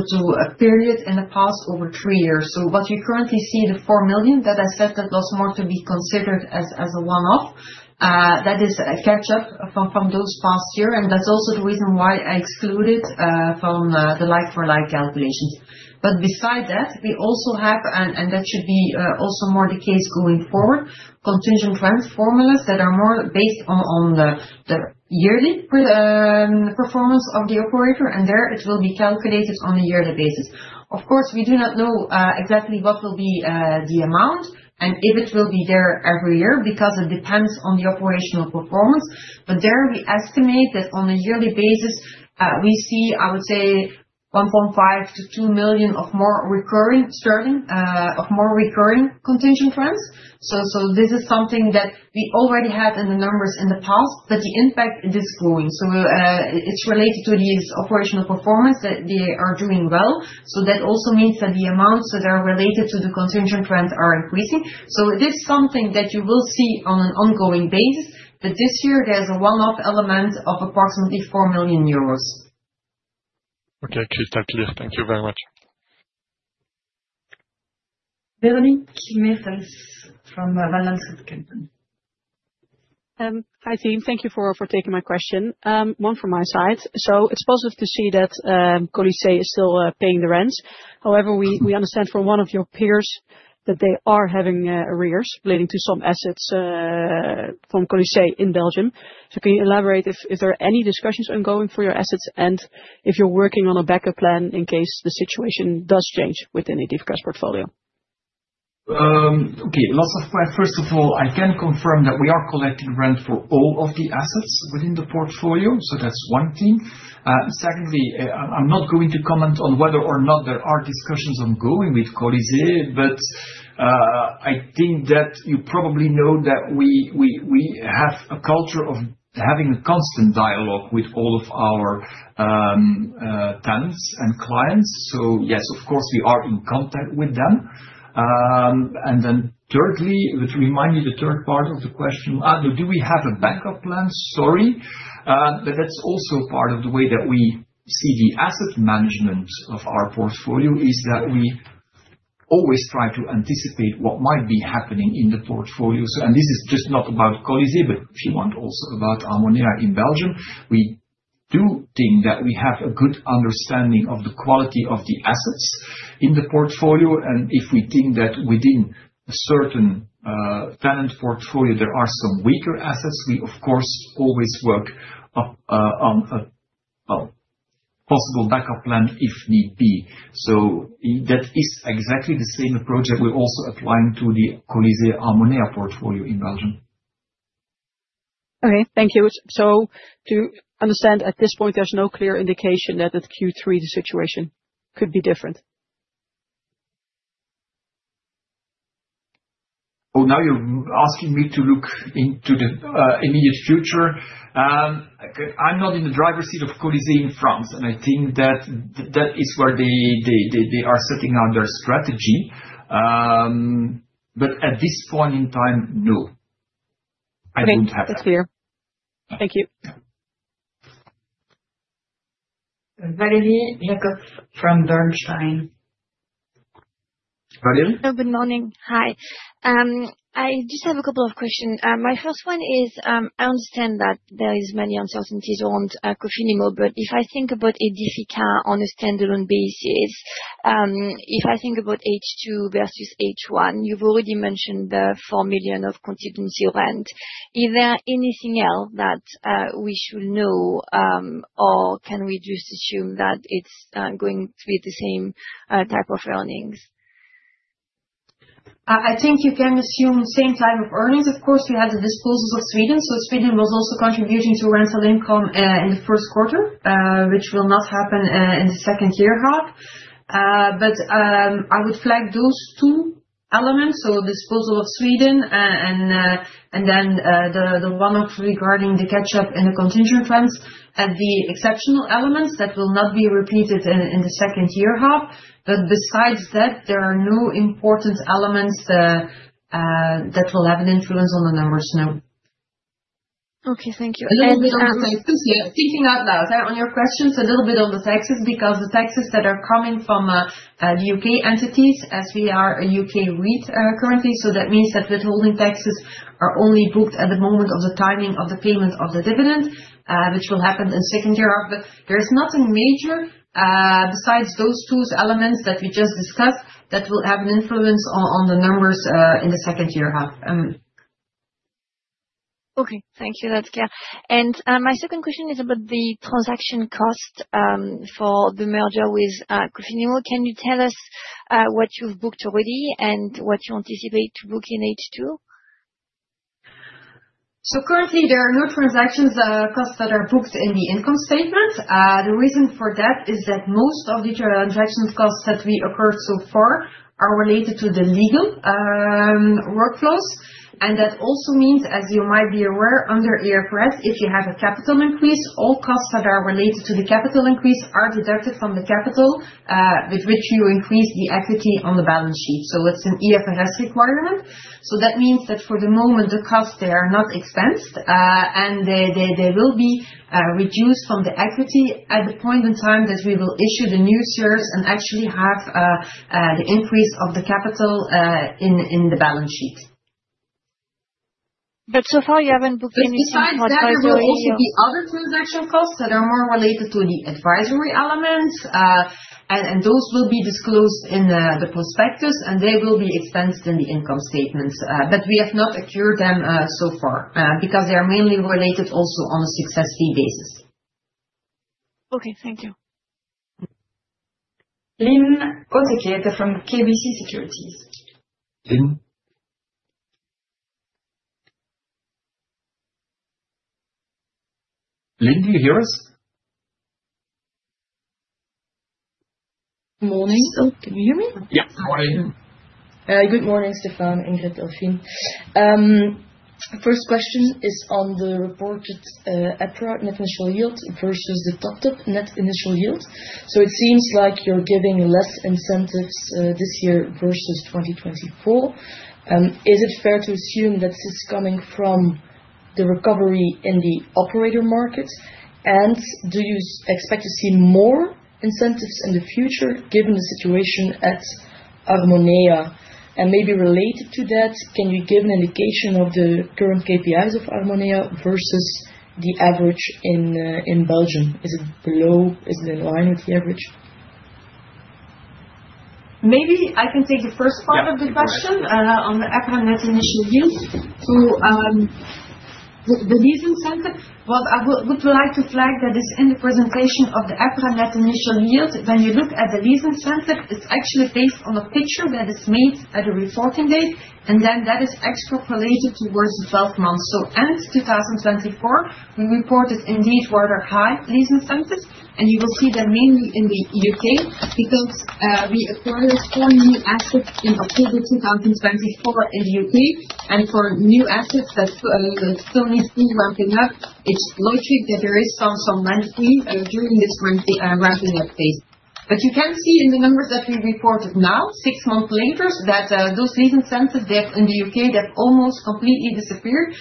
a period in the past over three years. What you currently see, the 4 million that I said, that was more to be considered as a one-off, that is a catch-up from those past years and that's also the reason why I excluded it from the like-for-like calculations. Beside that, we also have, and that should also be more the case going forward, contingent rent formulas that are more based on the yearly performance of the operator. There it will be calculated on a yearly basis. Of course, we do not know exactly what will be the amount and if it will be there every year because it depends on the operational performance. There we estimate that on a yearly basis we see, I would say, 1.5million-2 million of more recurring, starting of more recurring contingent rents. This is something that we already had in the numbers in the past, but the impact is growing. It is related to these operators' operational performance, that they are doing well. That also means that the amounts that are related to the contingent rents are increasing. It is something that you will see on an ongoing basis. This year there is a one-off element of approximately 4 million euros. OK, thank you very much. Hi team. Thank you for taking my question, one from my side. It's positive to see that Colisée is still paying the rents. However, we understand from one of your peers that they are having arrears leading to some assets from Colisée in Belgium. Can you elaborate if there are any discussions ongoing for your assets and if you're working on a backup plan in case the situation does change within the divcast portfolio? Okay, lots of questions. First of all, I can confirm that we are collecting rent for all of the assets within the portfolio. That's one thing. Secondly, I'm not going to comment on whether or not there are discussions ongoing with Colisée, but I think that you probably know that we have a culture of having a constant dialogue with all of our tenants and clients. Yes, of course we are in contact with them. Thirdly, remind me the third part of the question. Do we have a backup plan? Sorry, that's also part of the way that we see the asset management of our portfolio, that we always try to anticipate what might be happening in the portfolio. This is not just about Colisée, but if you want, also about Harmonie in Belgium. We do think that we have a good understanding of the quality of the assets in the portfolio. If we think that within a certain tenant portfolio there are some weaker assets, we of course always work up a possible backup plan if need be. That is exactly the same approach that we're also applying to the Colisée Harmonie portfolio in Belgium. Thank you. To understand, at this point there's no clear indication that at Q3 the situation could be different. Now you're asking me to look into the immediate future. I'm not in the driver's seat of Colisée in France. I think that is where they are setting out their strategy. At this point in time, no, I don't have that clear. Thank you. Valerie Jacob from Bernstein. Valerie, good morning. Hi. I just have a couple of questions. My first one is I understand that there are many uncertainties around Cofinimmo, but if I think about Aedifica on a standalone basis, if I think about H2 versus H1, you've already mentioned the 4 million of contingent rent. Is there anything else that we should know or can we just assume that it's going to be the same type of earnings? I think you can assume same type of earnings. Of course, we had the disposals of Sweden. Sweden was also contributing to rental income in the first quarter, which will not happen in the second half of the year. I would flag those two elements: disposal of Sweden and then the one-off regarding the catch-up in the contingent fraction as the exceptional elements that will not be repeated in the second half of the year. Besides that, there are no important elements that will have an influence on the numbers now. Okay, thank you. Thinking out loud on your questions a little bit on the taxes because the taxes that are coming from U.K. entities as we are a UK REIT currency. That means that withholding taxes are only booked at the moment of the timing of the payment of the dividend, which will happen in the second half of the year. There is nothing major besides those two elements that we just discussed that will have an influence on the numbers in the second half of the year. Okay, thank you. That's clear and my second question is about the transaction cost for the merger with Cofinimmo. Can you tell us what you've booked already and what you anticipate to book in H2? Currently, there are no transaction costs that are booked in the income statement. The reason for that is that most of the transaction costs that we incurred so far are related to the legal workflows. That also means, as you might be aware, under IFRS, if you have a capital increase, all costs that are related to the capital increase are deducted from the capital with which you increase the equity on the balance sheet. It's an IFRS requirement. That means that for the moment the costs are not expensed and they will be reduced from the equity at the point in time that we will issue the new shares and actually have the increase of the capital in the balance sheet. So far you haven't booked anything. There will also be other transaction costs that are more related to the advisory elements and those will be disclosed in the prospectus and they will be expensed in the income statements. We have not accrued them so far because they are mainly related also on a success fee basis. Okay, thank you. Lynn Hautekeete from KBC Securities. Lynn, do you hear us? Good morning, can you hear me? Yes, good morning Stefaan. Ingrid, Delphine. First question is on the reported EPRA net initial yield versus the top net initial yield. It seems like you're giving less incentives this year versus 2020. Is it fair to assume that this is coming from the recovery in the operator market? Do you expect to see more incentives in the future given the situation at Harmonea, and maybe related to that, can you give an indication of the current KPIs of Harmonea versus the average in Belgium? Is it below? Is it in line with here? Maybe I can take the first part of the question on the EPRA net initial yield to the lease incentive. What I would like to flag is that in the presentation of the EPRA net initial yield, when you look at the lease incentive, it's actually based on a picture that is made at a reporting date and then that is extrapolated towards the 12 months. At the end of 2024, we reported indeed rather high lease incentives and you will see them mainly in the U.K. because we acquired four new assets in October 2024 in the U.K. and for new assets that still is still ramping up. It's logic that there is some magnitude during this ramping up phase. You can see in the numbers that we reported now six months later that those recent incentives in the U.K. have almost completely disappeared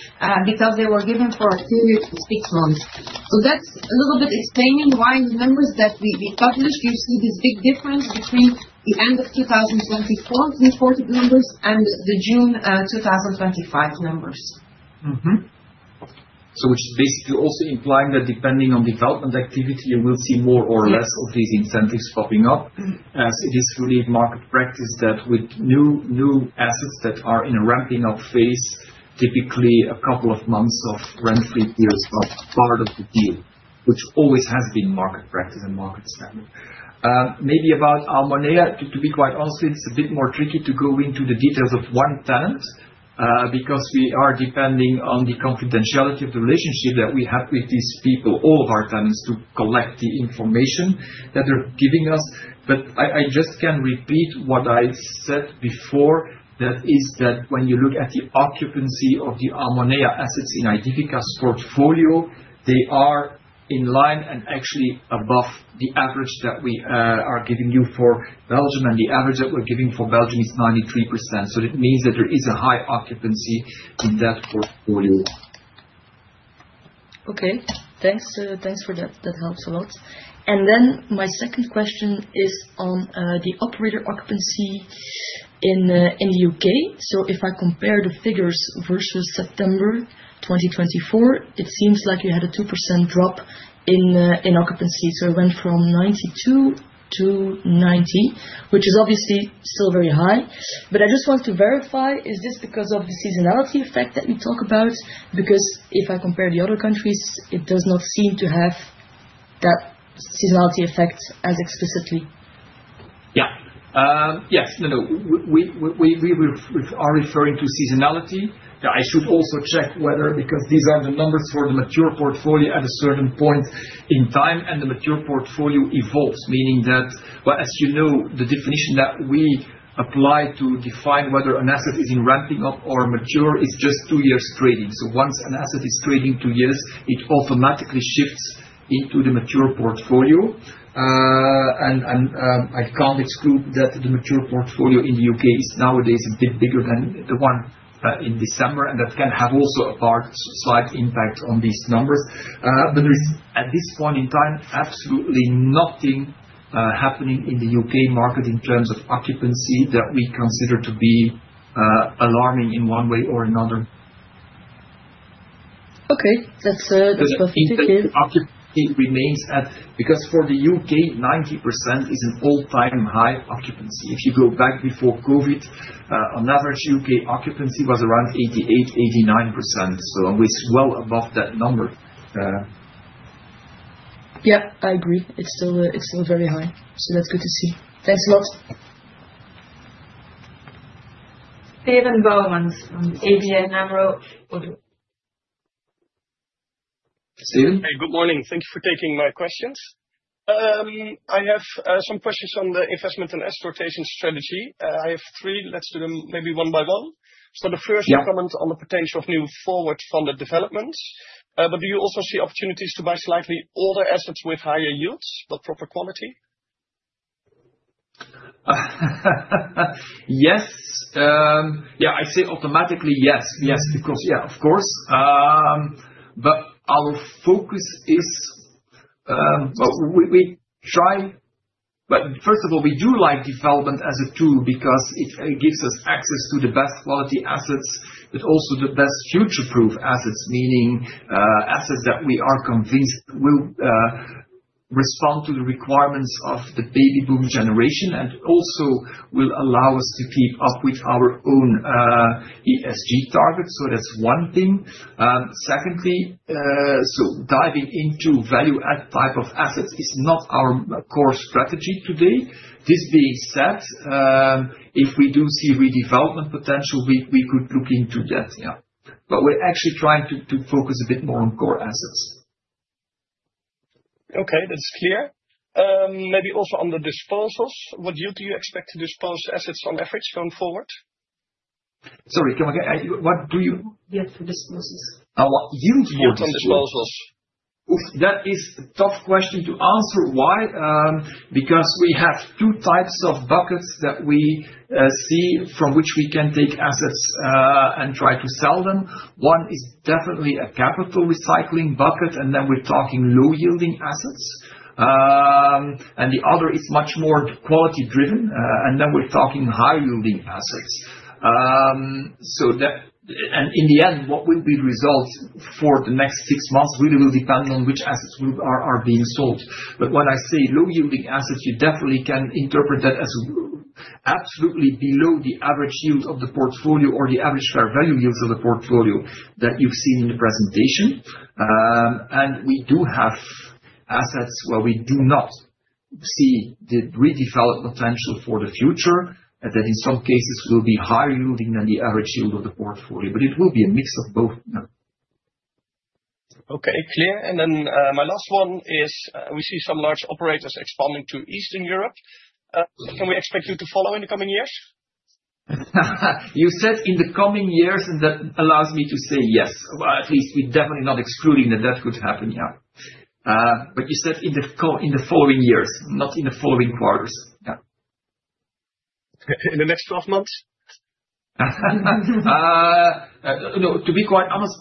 because they were given for a period of six months. That's a little bit explaining why the numbers that we published, you see this big difference between the end of 2024 reported numbers and the June 2025 numbers. Which is basically also implying that depending on development activity you will see more or less of these incentives popping up, as it is really market practice that with new assets that are in a ramping up phase, typically a couple of months of rent-free periods are part of the deal, which always has been market practice and market standard. Maybe about Almonea. To be quite honest, it's a bit more tricky to go into the details of one tenant because we are depending on the confidentiality of the relationship that we have with these people, all of our tenants, to collect the information that they're giving us. I just can repeat what I said before, that is that when you look at the occupancy of the Almonea assets in Aedifica's portfolio, they are in line and actually above the average that we are giving you for Belgium. The average that we're giving for Belgium is 93%. It means that there is a high occupancy in that portfolio. Okay, thanks, that helps a lot. My second question is on the operator occupancy in the U.K. If I compare the figures versus September 2024, it seems like you had a 2% drop in occupancy. It went from 92%-90%, which is obviously still very high. I just want to verify. Is this because of the seasonality effect that you talk about? If I compare the other countries, it does not seem to have that seasonality effect as explicitly. Yes, we are referring to seasonality. I should also check whether, because these are the numbers for the mature portfolio at a certain point in time and the mature portfolio evolves, meaning that as you know the definition that we apply to define whether an asset is in ramping up or mature is just two years trading. Once an asset is trading two years, it automatically shifts into the mature portfolio. I can't exclude that the mature portfolio in the U.K. is nowadays a bit bigger than the one in December and that can also have a slight impact on these numbers. There is at this point in time absolutely nothing happening in the U.K. market in terms of occupancy that we consider to be alarming in one way or another. Okay, that's perfect. Occupancy remains at. For the U.K., 90% is an all-time high occupancy. If you go back before COVID, on average U.K. occupancy was around 88, 89%, so always well above that number. Yeah, I agree it's still very high. That's good to see. Thanks a lot. Steven Boumans, ABN AMRO. Steven, hey, good morning. Thank you for taking my questions. I have some questions on the investment and exploitation strategy. I have three. Let's do them maybe one by one. The first comment on the potential of new forward funded developments, but do you also see opportunities to buy slightly older assets with higher yields but proper quality? Yes, yeah, I say automatically yes, yes, because yeah, of course. Our focus is we try, but first of all, we do like development as a tool because it gives us access to the best quality assets but also the best future-proof assets, meaning assets that we are convinced will respond to the requirements of the Baby Boom generation and also will allow us to keep up with our own ESG target. That's one thing. Secondly, diving into value add type of assets is not our core strategy today. This being said, if we do see redevelopment potential, we could look into that, but we're actually trying to focus a bit more on core assets. Okay, that's clear. Maybe also on the disposals. What yield do you expect to dispose assets on average going forward? That is a tough question to answer. Why? Because we have two types of buckets that we see from which we can take assets and try to sell them. One is definitely a capital recycling bucket and then we're talking low-yielding assets, and the other is much more quality driven and then we're talking high-yielding assets. In the end, what will be the result for the next six months really will depend on which assets are being sold. When I say low-yielding assets, you definitely can interpret that as absolutely below the average yield of the portfolio or the average fair value yields of the portfolio that you've seen in the presentation. We do have assets where we do not see the redevelopment potential for the future that in some cases will be higher yielding than the average yield of the portfolio, but it will be a mix of both. Okay, clear. My last one is, we see some large operators expanding to Eastern Europe. Can we expect you to follow in the coming years? You said in the coming years. That allows me to say yes, at least we're definitely not excluding that that could happen. You said in the following years, not in the following quarters, in the next 12 months. To be quite honest,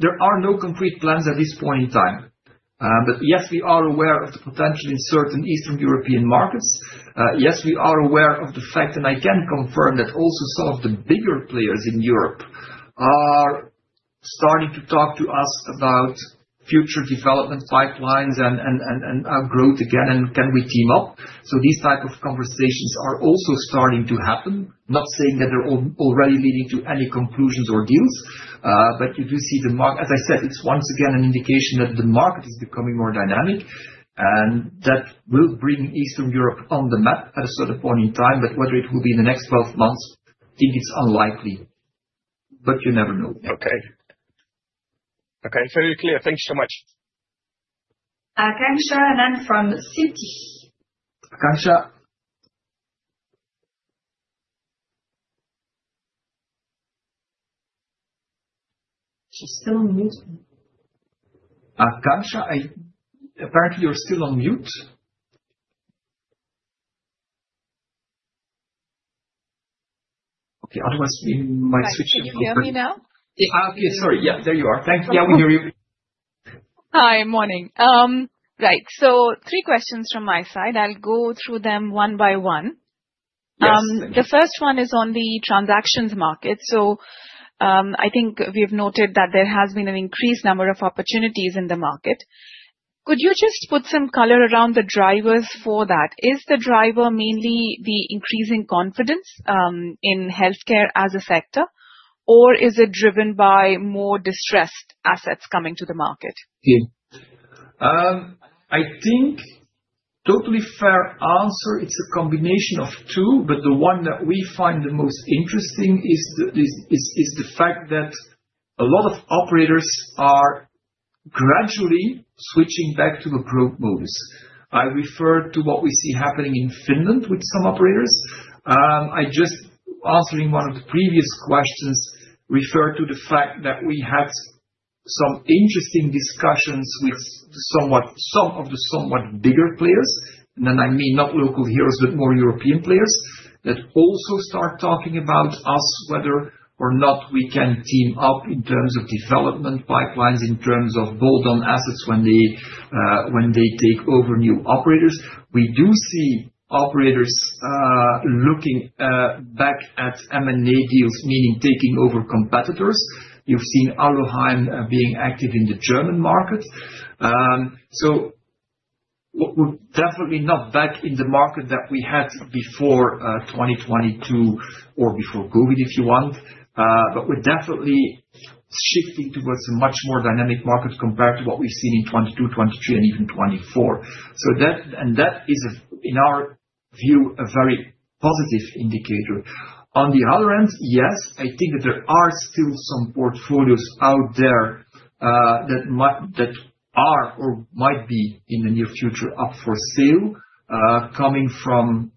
there are no concrete plans at this point in time. Yes, we are aware of the potential in certain Eastern European markets. Yes, we are aware of the fact, and I can confirm that also some of the bigger players in Europe are starting to talk to us about future development pipelines and growth again and can we team up? These types of conversations are also starting to happen. Not saying that they're already leading to any conclusions or deals, but you do see the market. As I said, it's once again an indication that the market is becoming more dynamic and that will bring Eastern Europe on the map at a certain point in time. Whether it will be in the next 12 months, I think it's unlikely, but you never know. Okay. Okay, very clear. Thanks so much, Akasha. I'm from Citi. Akasha, she's still on mute. Akasha, apparently you're still on mute. Okay, otherwise we might switch. Can you hear me now? There you are. Thank you. Hi. Morning. Right, three questions from my side. I'll go through them one by one. The first one is on the transactions market. I think we have noted that there has been an increased number of opportunities in the market. Could you just put some color around the drivers for that? Is the driver mainly the increasing confidence in healthcare as a sector, or is it driven by more distressed assets coming to the market? I think totally fair answer. It's a combination of two. The one that we find the most interesting is the fact that a lot of operators are gradually switching back to the probe modus. I refer to what we see happening in Finland with some operators. Just answering one of the previous questions, I refer to the fact that we had some interesting discussions with some of the somewhat bigger players, and I mean not local heroes, but more European players that also start talking about us, whether or not we can team up in terms of development pipelines, in terms of bolt-on assets when they take over new operators. We do see operators looking back at M&A deals, meaning taking over competitors. You've seen Aloheim being active in the German market. We're definitely not back in the market that we had before 2022 or before COVID if you want. We're definitely shifting towards a much more dynamic market compared to what we've seen in 2022, 2023, and even 2024. That is in our view a very positive indicator. On the other hand, yes, I think that there are still some portfolios out there that are or might be in the near future up for sale coming from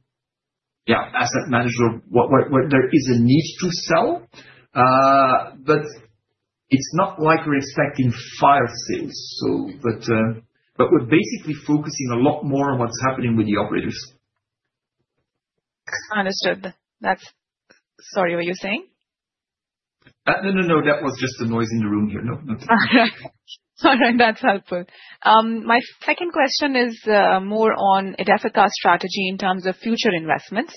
asset manager where there is a need to sell. It's not like we're expecting fire sales, but we're basically focusing a lot more on what's happening with the operators. Understood. Sorry, what you're saying. That was just a noise in the room here. No. All right, that's helpful. My second question is more on Aedifica strategy in terms of future investments.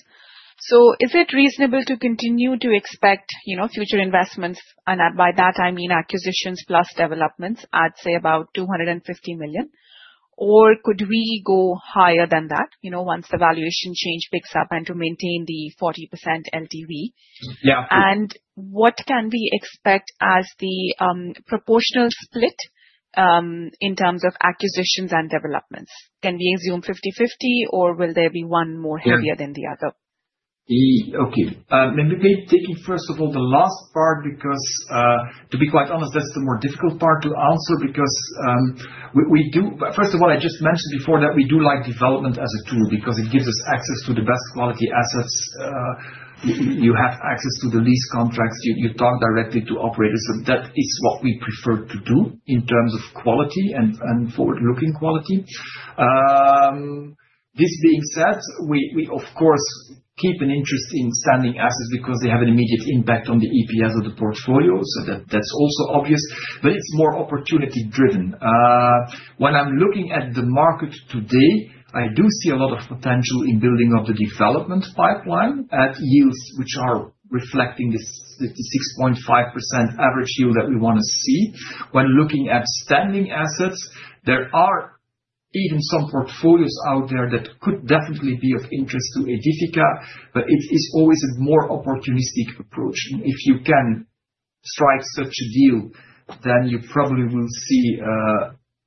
Is it reasonable to continue to expect future investments? By that I mean acquisitions plus developments. I'd say about 250 million. Could we go higher than that once the valuation change picks up to maintain the 40% LTV? What can we expect as the proportional split in terms of acquisitions and developments? Can we assume 50/50 or will there be one more heavier than the other? Okay, maybe taking first of all the last part because to be quite honest, that's the more difficult part to answer. First of all, I just mentioned before that we do like development as a tool because it gives us access to the best quality assets. You have access to the lease contracts, you talk directly to operators. That is what we prefer to do in terms of quality and forward looking quality. This being said, we of course keep an interest in standing assets because they have an immediate impact on the EPS of the portfolio. That's also obvious. I think it's more opportunity driven. When I'm looking at the market today, I do see a lot of potential in building up the development pipeline at yields which are reflecting this 6.5% average yield that we want to see when looking at standing assets. There are even some portfolios out there that could definitely be of interest to Aedifica, but it is always more opportunistic approach. If you can strike such a deal, you probably will see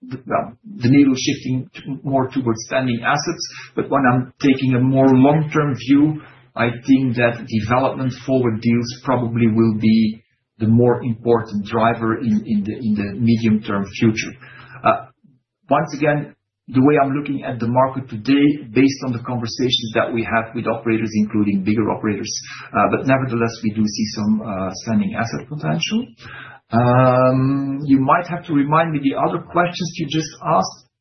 the needle shifting more towards standing assets. When I'm taking a more long term view, I think that development forward deals probably will be the more important driver in the medium term future. Once again, the way I'm looking at the market today, based on the conversations that we have with operators, including bigger operators, nevertheless we do see some standing asset potential. You might have to remind me the other questions you just asked.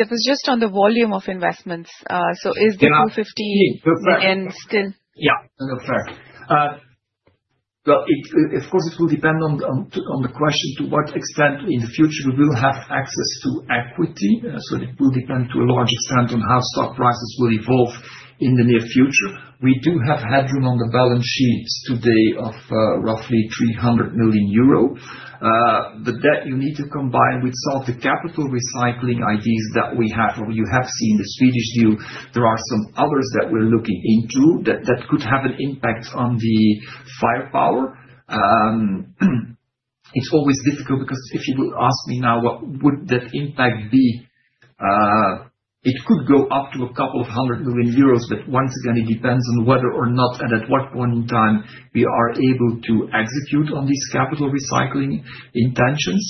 That was just on the volume of investments. Is the 250 million still? Of course, it will depend on the question to what extent in the future we will have access to equity. It will depend to a large extent on how stock prices will evolve in the near future. We do have headroom on the balance sheet today of roughly 300 million euro, but you need to combine that with some of the capital recycling ideas that we have. You have seen the Swedish deal, there are some others that we're looking into that could have an impact on the firepower. It's always difficult because if you ask me now what would that impact be, it could go up to a couple of hundred million euros. Once again, it depends on whether or not and at what point in time we are able to execute on these capital recycling intentions.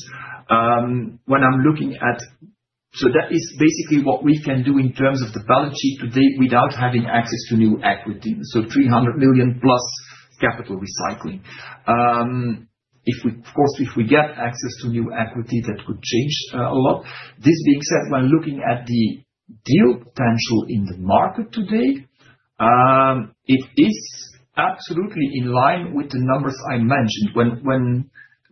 That is basically what we can do in terms of the balance sheet today without having access to new equity. 300 million+ capital recycling. If we get access to new equity, that could change a lot. This being said, when looking at the deal potential in the market today, it is absolutely in line with the numbers I mentioned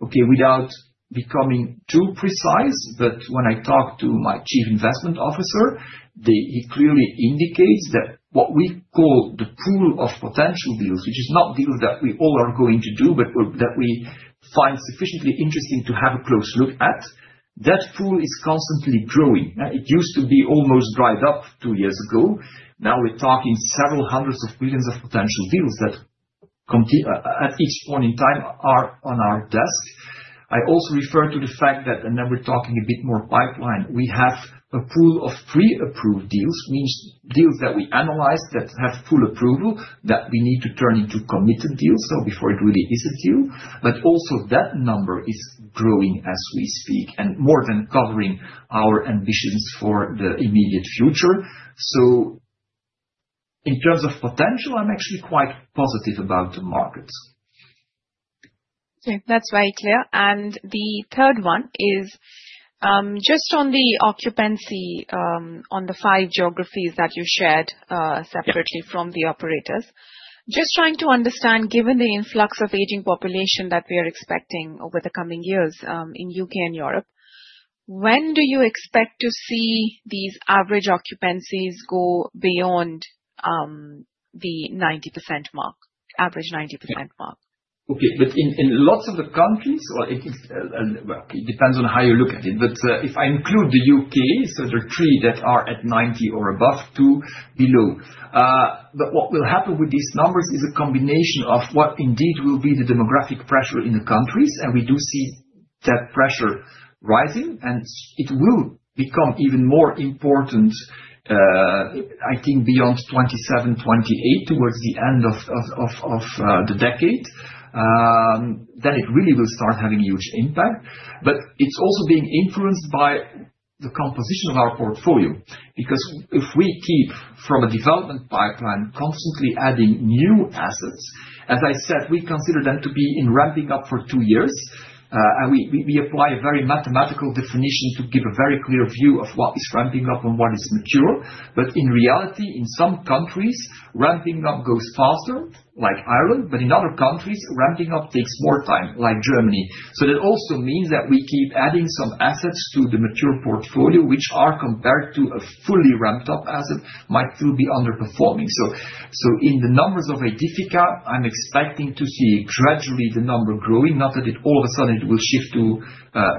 without becoming too precise. When I talk to my Chief Investment Officer, he clearly indicates that what we call the pool of potential deals, which is not deals that we all are going to do, but that we find sufficiently interesting to have a close look at, that pool is constantly growing. It used to be almost dried up two years ago. Now we're talking several hundreds of billions of potential deals that at each point in time are on our desk. I also refer to the fact that, and then we're talking a bit more pipeline, we have a pool of pre-approved deals, meaning deals that we analyze that have full approval that we need to turn into committed deals before it really is a deal. Also, that number is growing as we speak and more than covering our ambitions for the immediate future. In terms of potential, I'm actually quite positive about the markets. That's very clear. The third one is just on the occupancy on the five geographies that you shared separately from the operators. Just trying to understand, given the influx of aging population that we are expecting over the coming years in the U.K. and Europe, when do you expect to see these average occupancies go beyond the 90% mark, average 90% mark. Okay, but in lots of the countries, it depends on how you look at it. If I include the U.K., there are three that are at 90% or above, two below. What will happen with these numbers is a combination of what indeed will be the demographic pressure in the countries. We do see that pressure rising and it will become even more important, I think beyond 2027, 2028, towards the end of the decade, it really will start having huge impact. It's also being influenced by the composition of our portfolio. If we keep from a development pipeline constantly adding new assets, as I said, we consider them to be in ramping up for two years and we apply a very mathematical definition to give a very clear view of what is ramping up and what is mature. In reality, in some countries ramping up goes faster, like Ireland. In other countries ramping up takes more time, like Germany. That also means that we keep adding some assets to the mature portfolio, which are compared to a fully ramped up asset might still be underperforming. In the numbers of Aedifica, I'm expecting to see gradually the number growing, not that all of a sudden it will shift to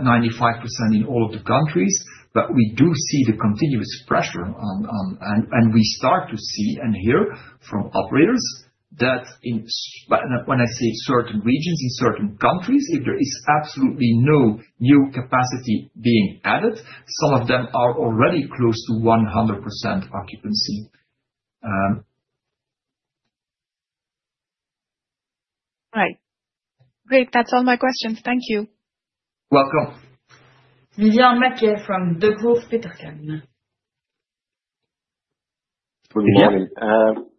95% in all of the countries. We do see the continuous pressure and we start to see and hear from operators that when I say certain regions in certain countries, if there is absolutely no new capacity being added, some of them are already close to 100% occupancy. Right, great. That's all my questions. Thank you. Welcome. Vivien Maquet from Degroof Petercam. Good morning.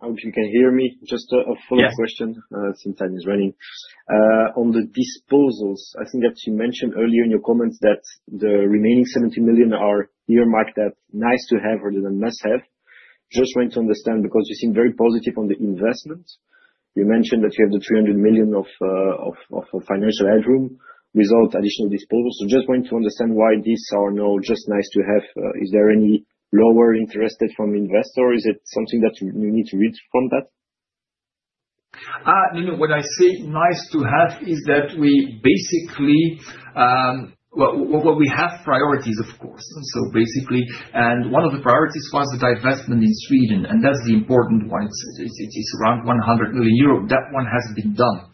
I hope you can hear me. Just a follow-up question. Since time is running on the disposals, I think that you mentioned earlier in your comments that the remaining 70 million are earmarked. Is that nice to have or must have? Just want to understand because you seem very positive on the investment. You mentioned that you have the 300 million of financial headroom without additional disposals. Just want to understand why these are now just nice to have. Is there any lower interest from investors? Is it something that you need to read from that? What I say nice to have is that we basically have priorities, of course. One of the priorities was the divestment in Sweden and that's the important one. It's around 100 million euros. That one has been done.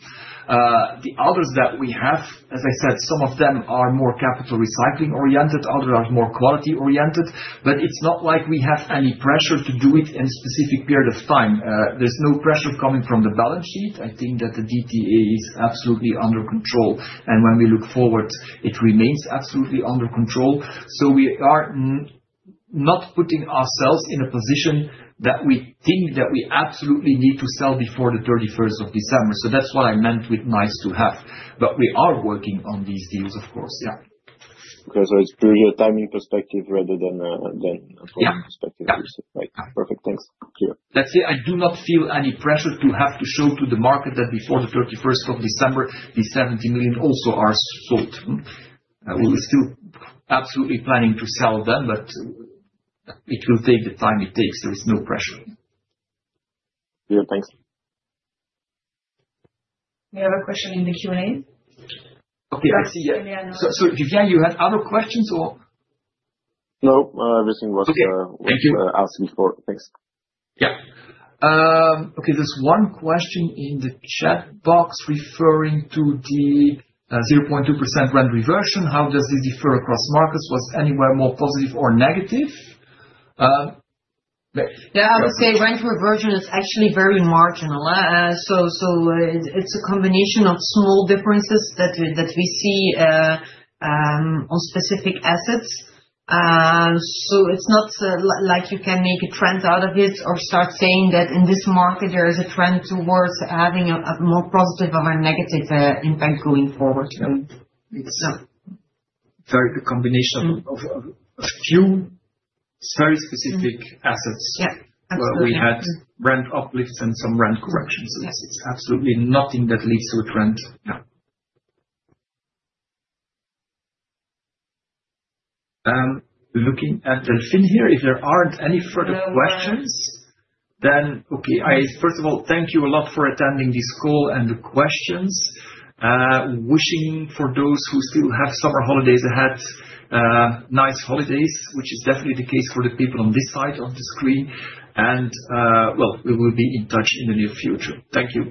The others that we have, as I said, some of them are more capital recycling oriented, others are more quality oriented. It's not like we have any pressure to do it in a specific period of time. There's no pressure coming from the balance sheet. I think that the debt-to-asset ratio is absolutely under control and when we look forward it remains absolutely under control. We are not putting ourselves in a position that we think that we absolutely need to sell before the 31st of December. That's what I meant with nice to have. We are working on these deals. Of course. Okay. It's purely a timing perspective rather than a product perspective. Right. Perfect. Thanks. I do not feel any pressure to have to show to the market that before 31 the 70 million are also sold. We're still absolutely planning to sell them, but it will take the time it takes. There is no pressure. Thanks. We have a question in the Q&A. Okay, I see. Vivien, you had other questions or no, everything was asked before. Thanks. Yeah. There's one question in the chat box referring to the 0.2% rent reversion. How does this differ across markets? Was anywhere more positive or negative? Yeah, I would say rent reversion is actually very marginal. It is a combination of small differences that we see on specific assets. It is not like you can make a trend out of it or start saying that in this market there is a trend towards having a more positive or negative impact going forward. It's a combination of a few very specific assets where we had rent uplifts and some rent corrections. It's absolutely nothing that leads to a trend. Looking at the fin here, if there aren't any further questions, thank you a lot for attending this call and the questions. Wishing for those who still have summer holidays ahead, nice holidays, which is definitely the case for the people on this side of the screen. We will be in touch in the near future. Thank you.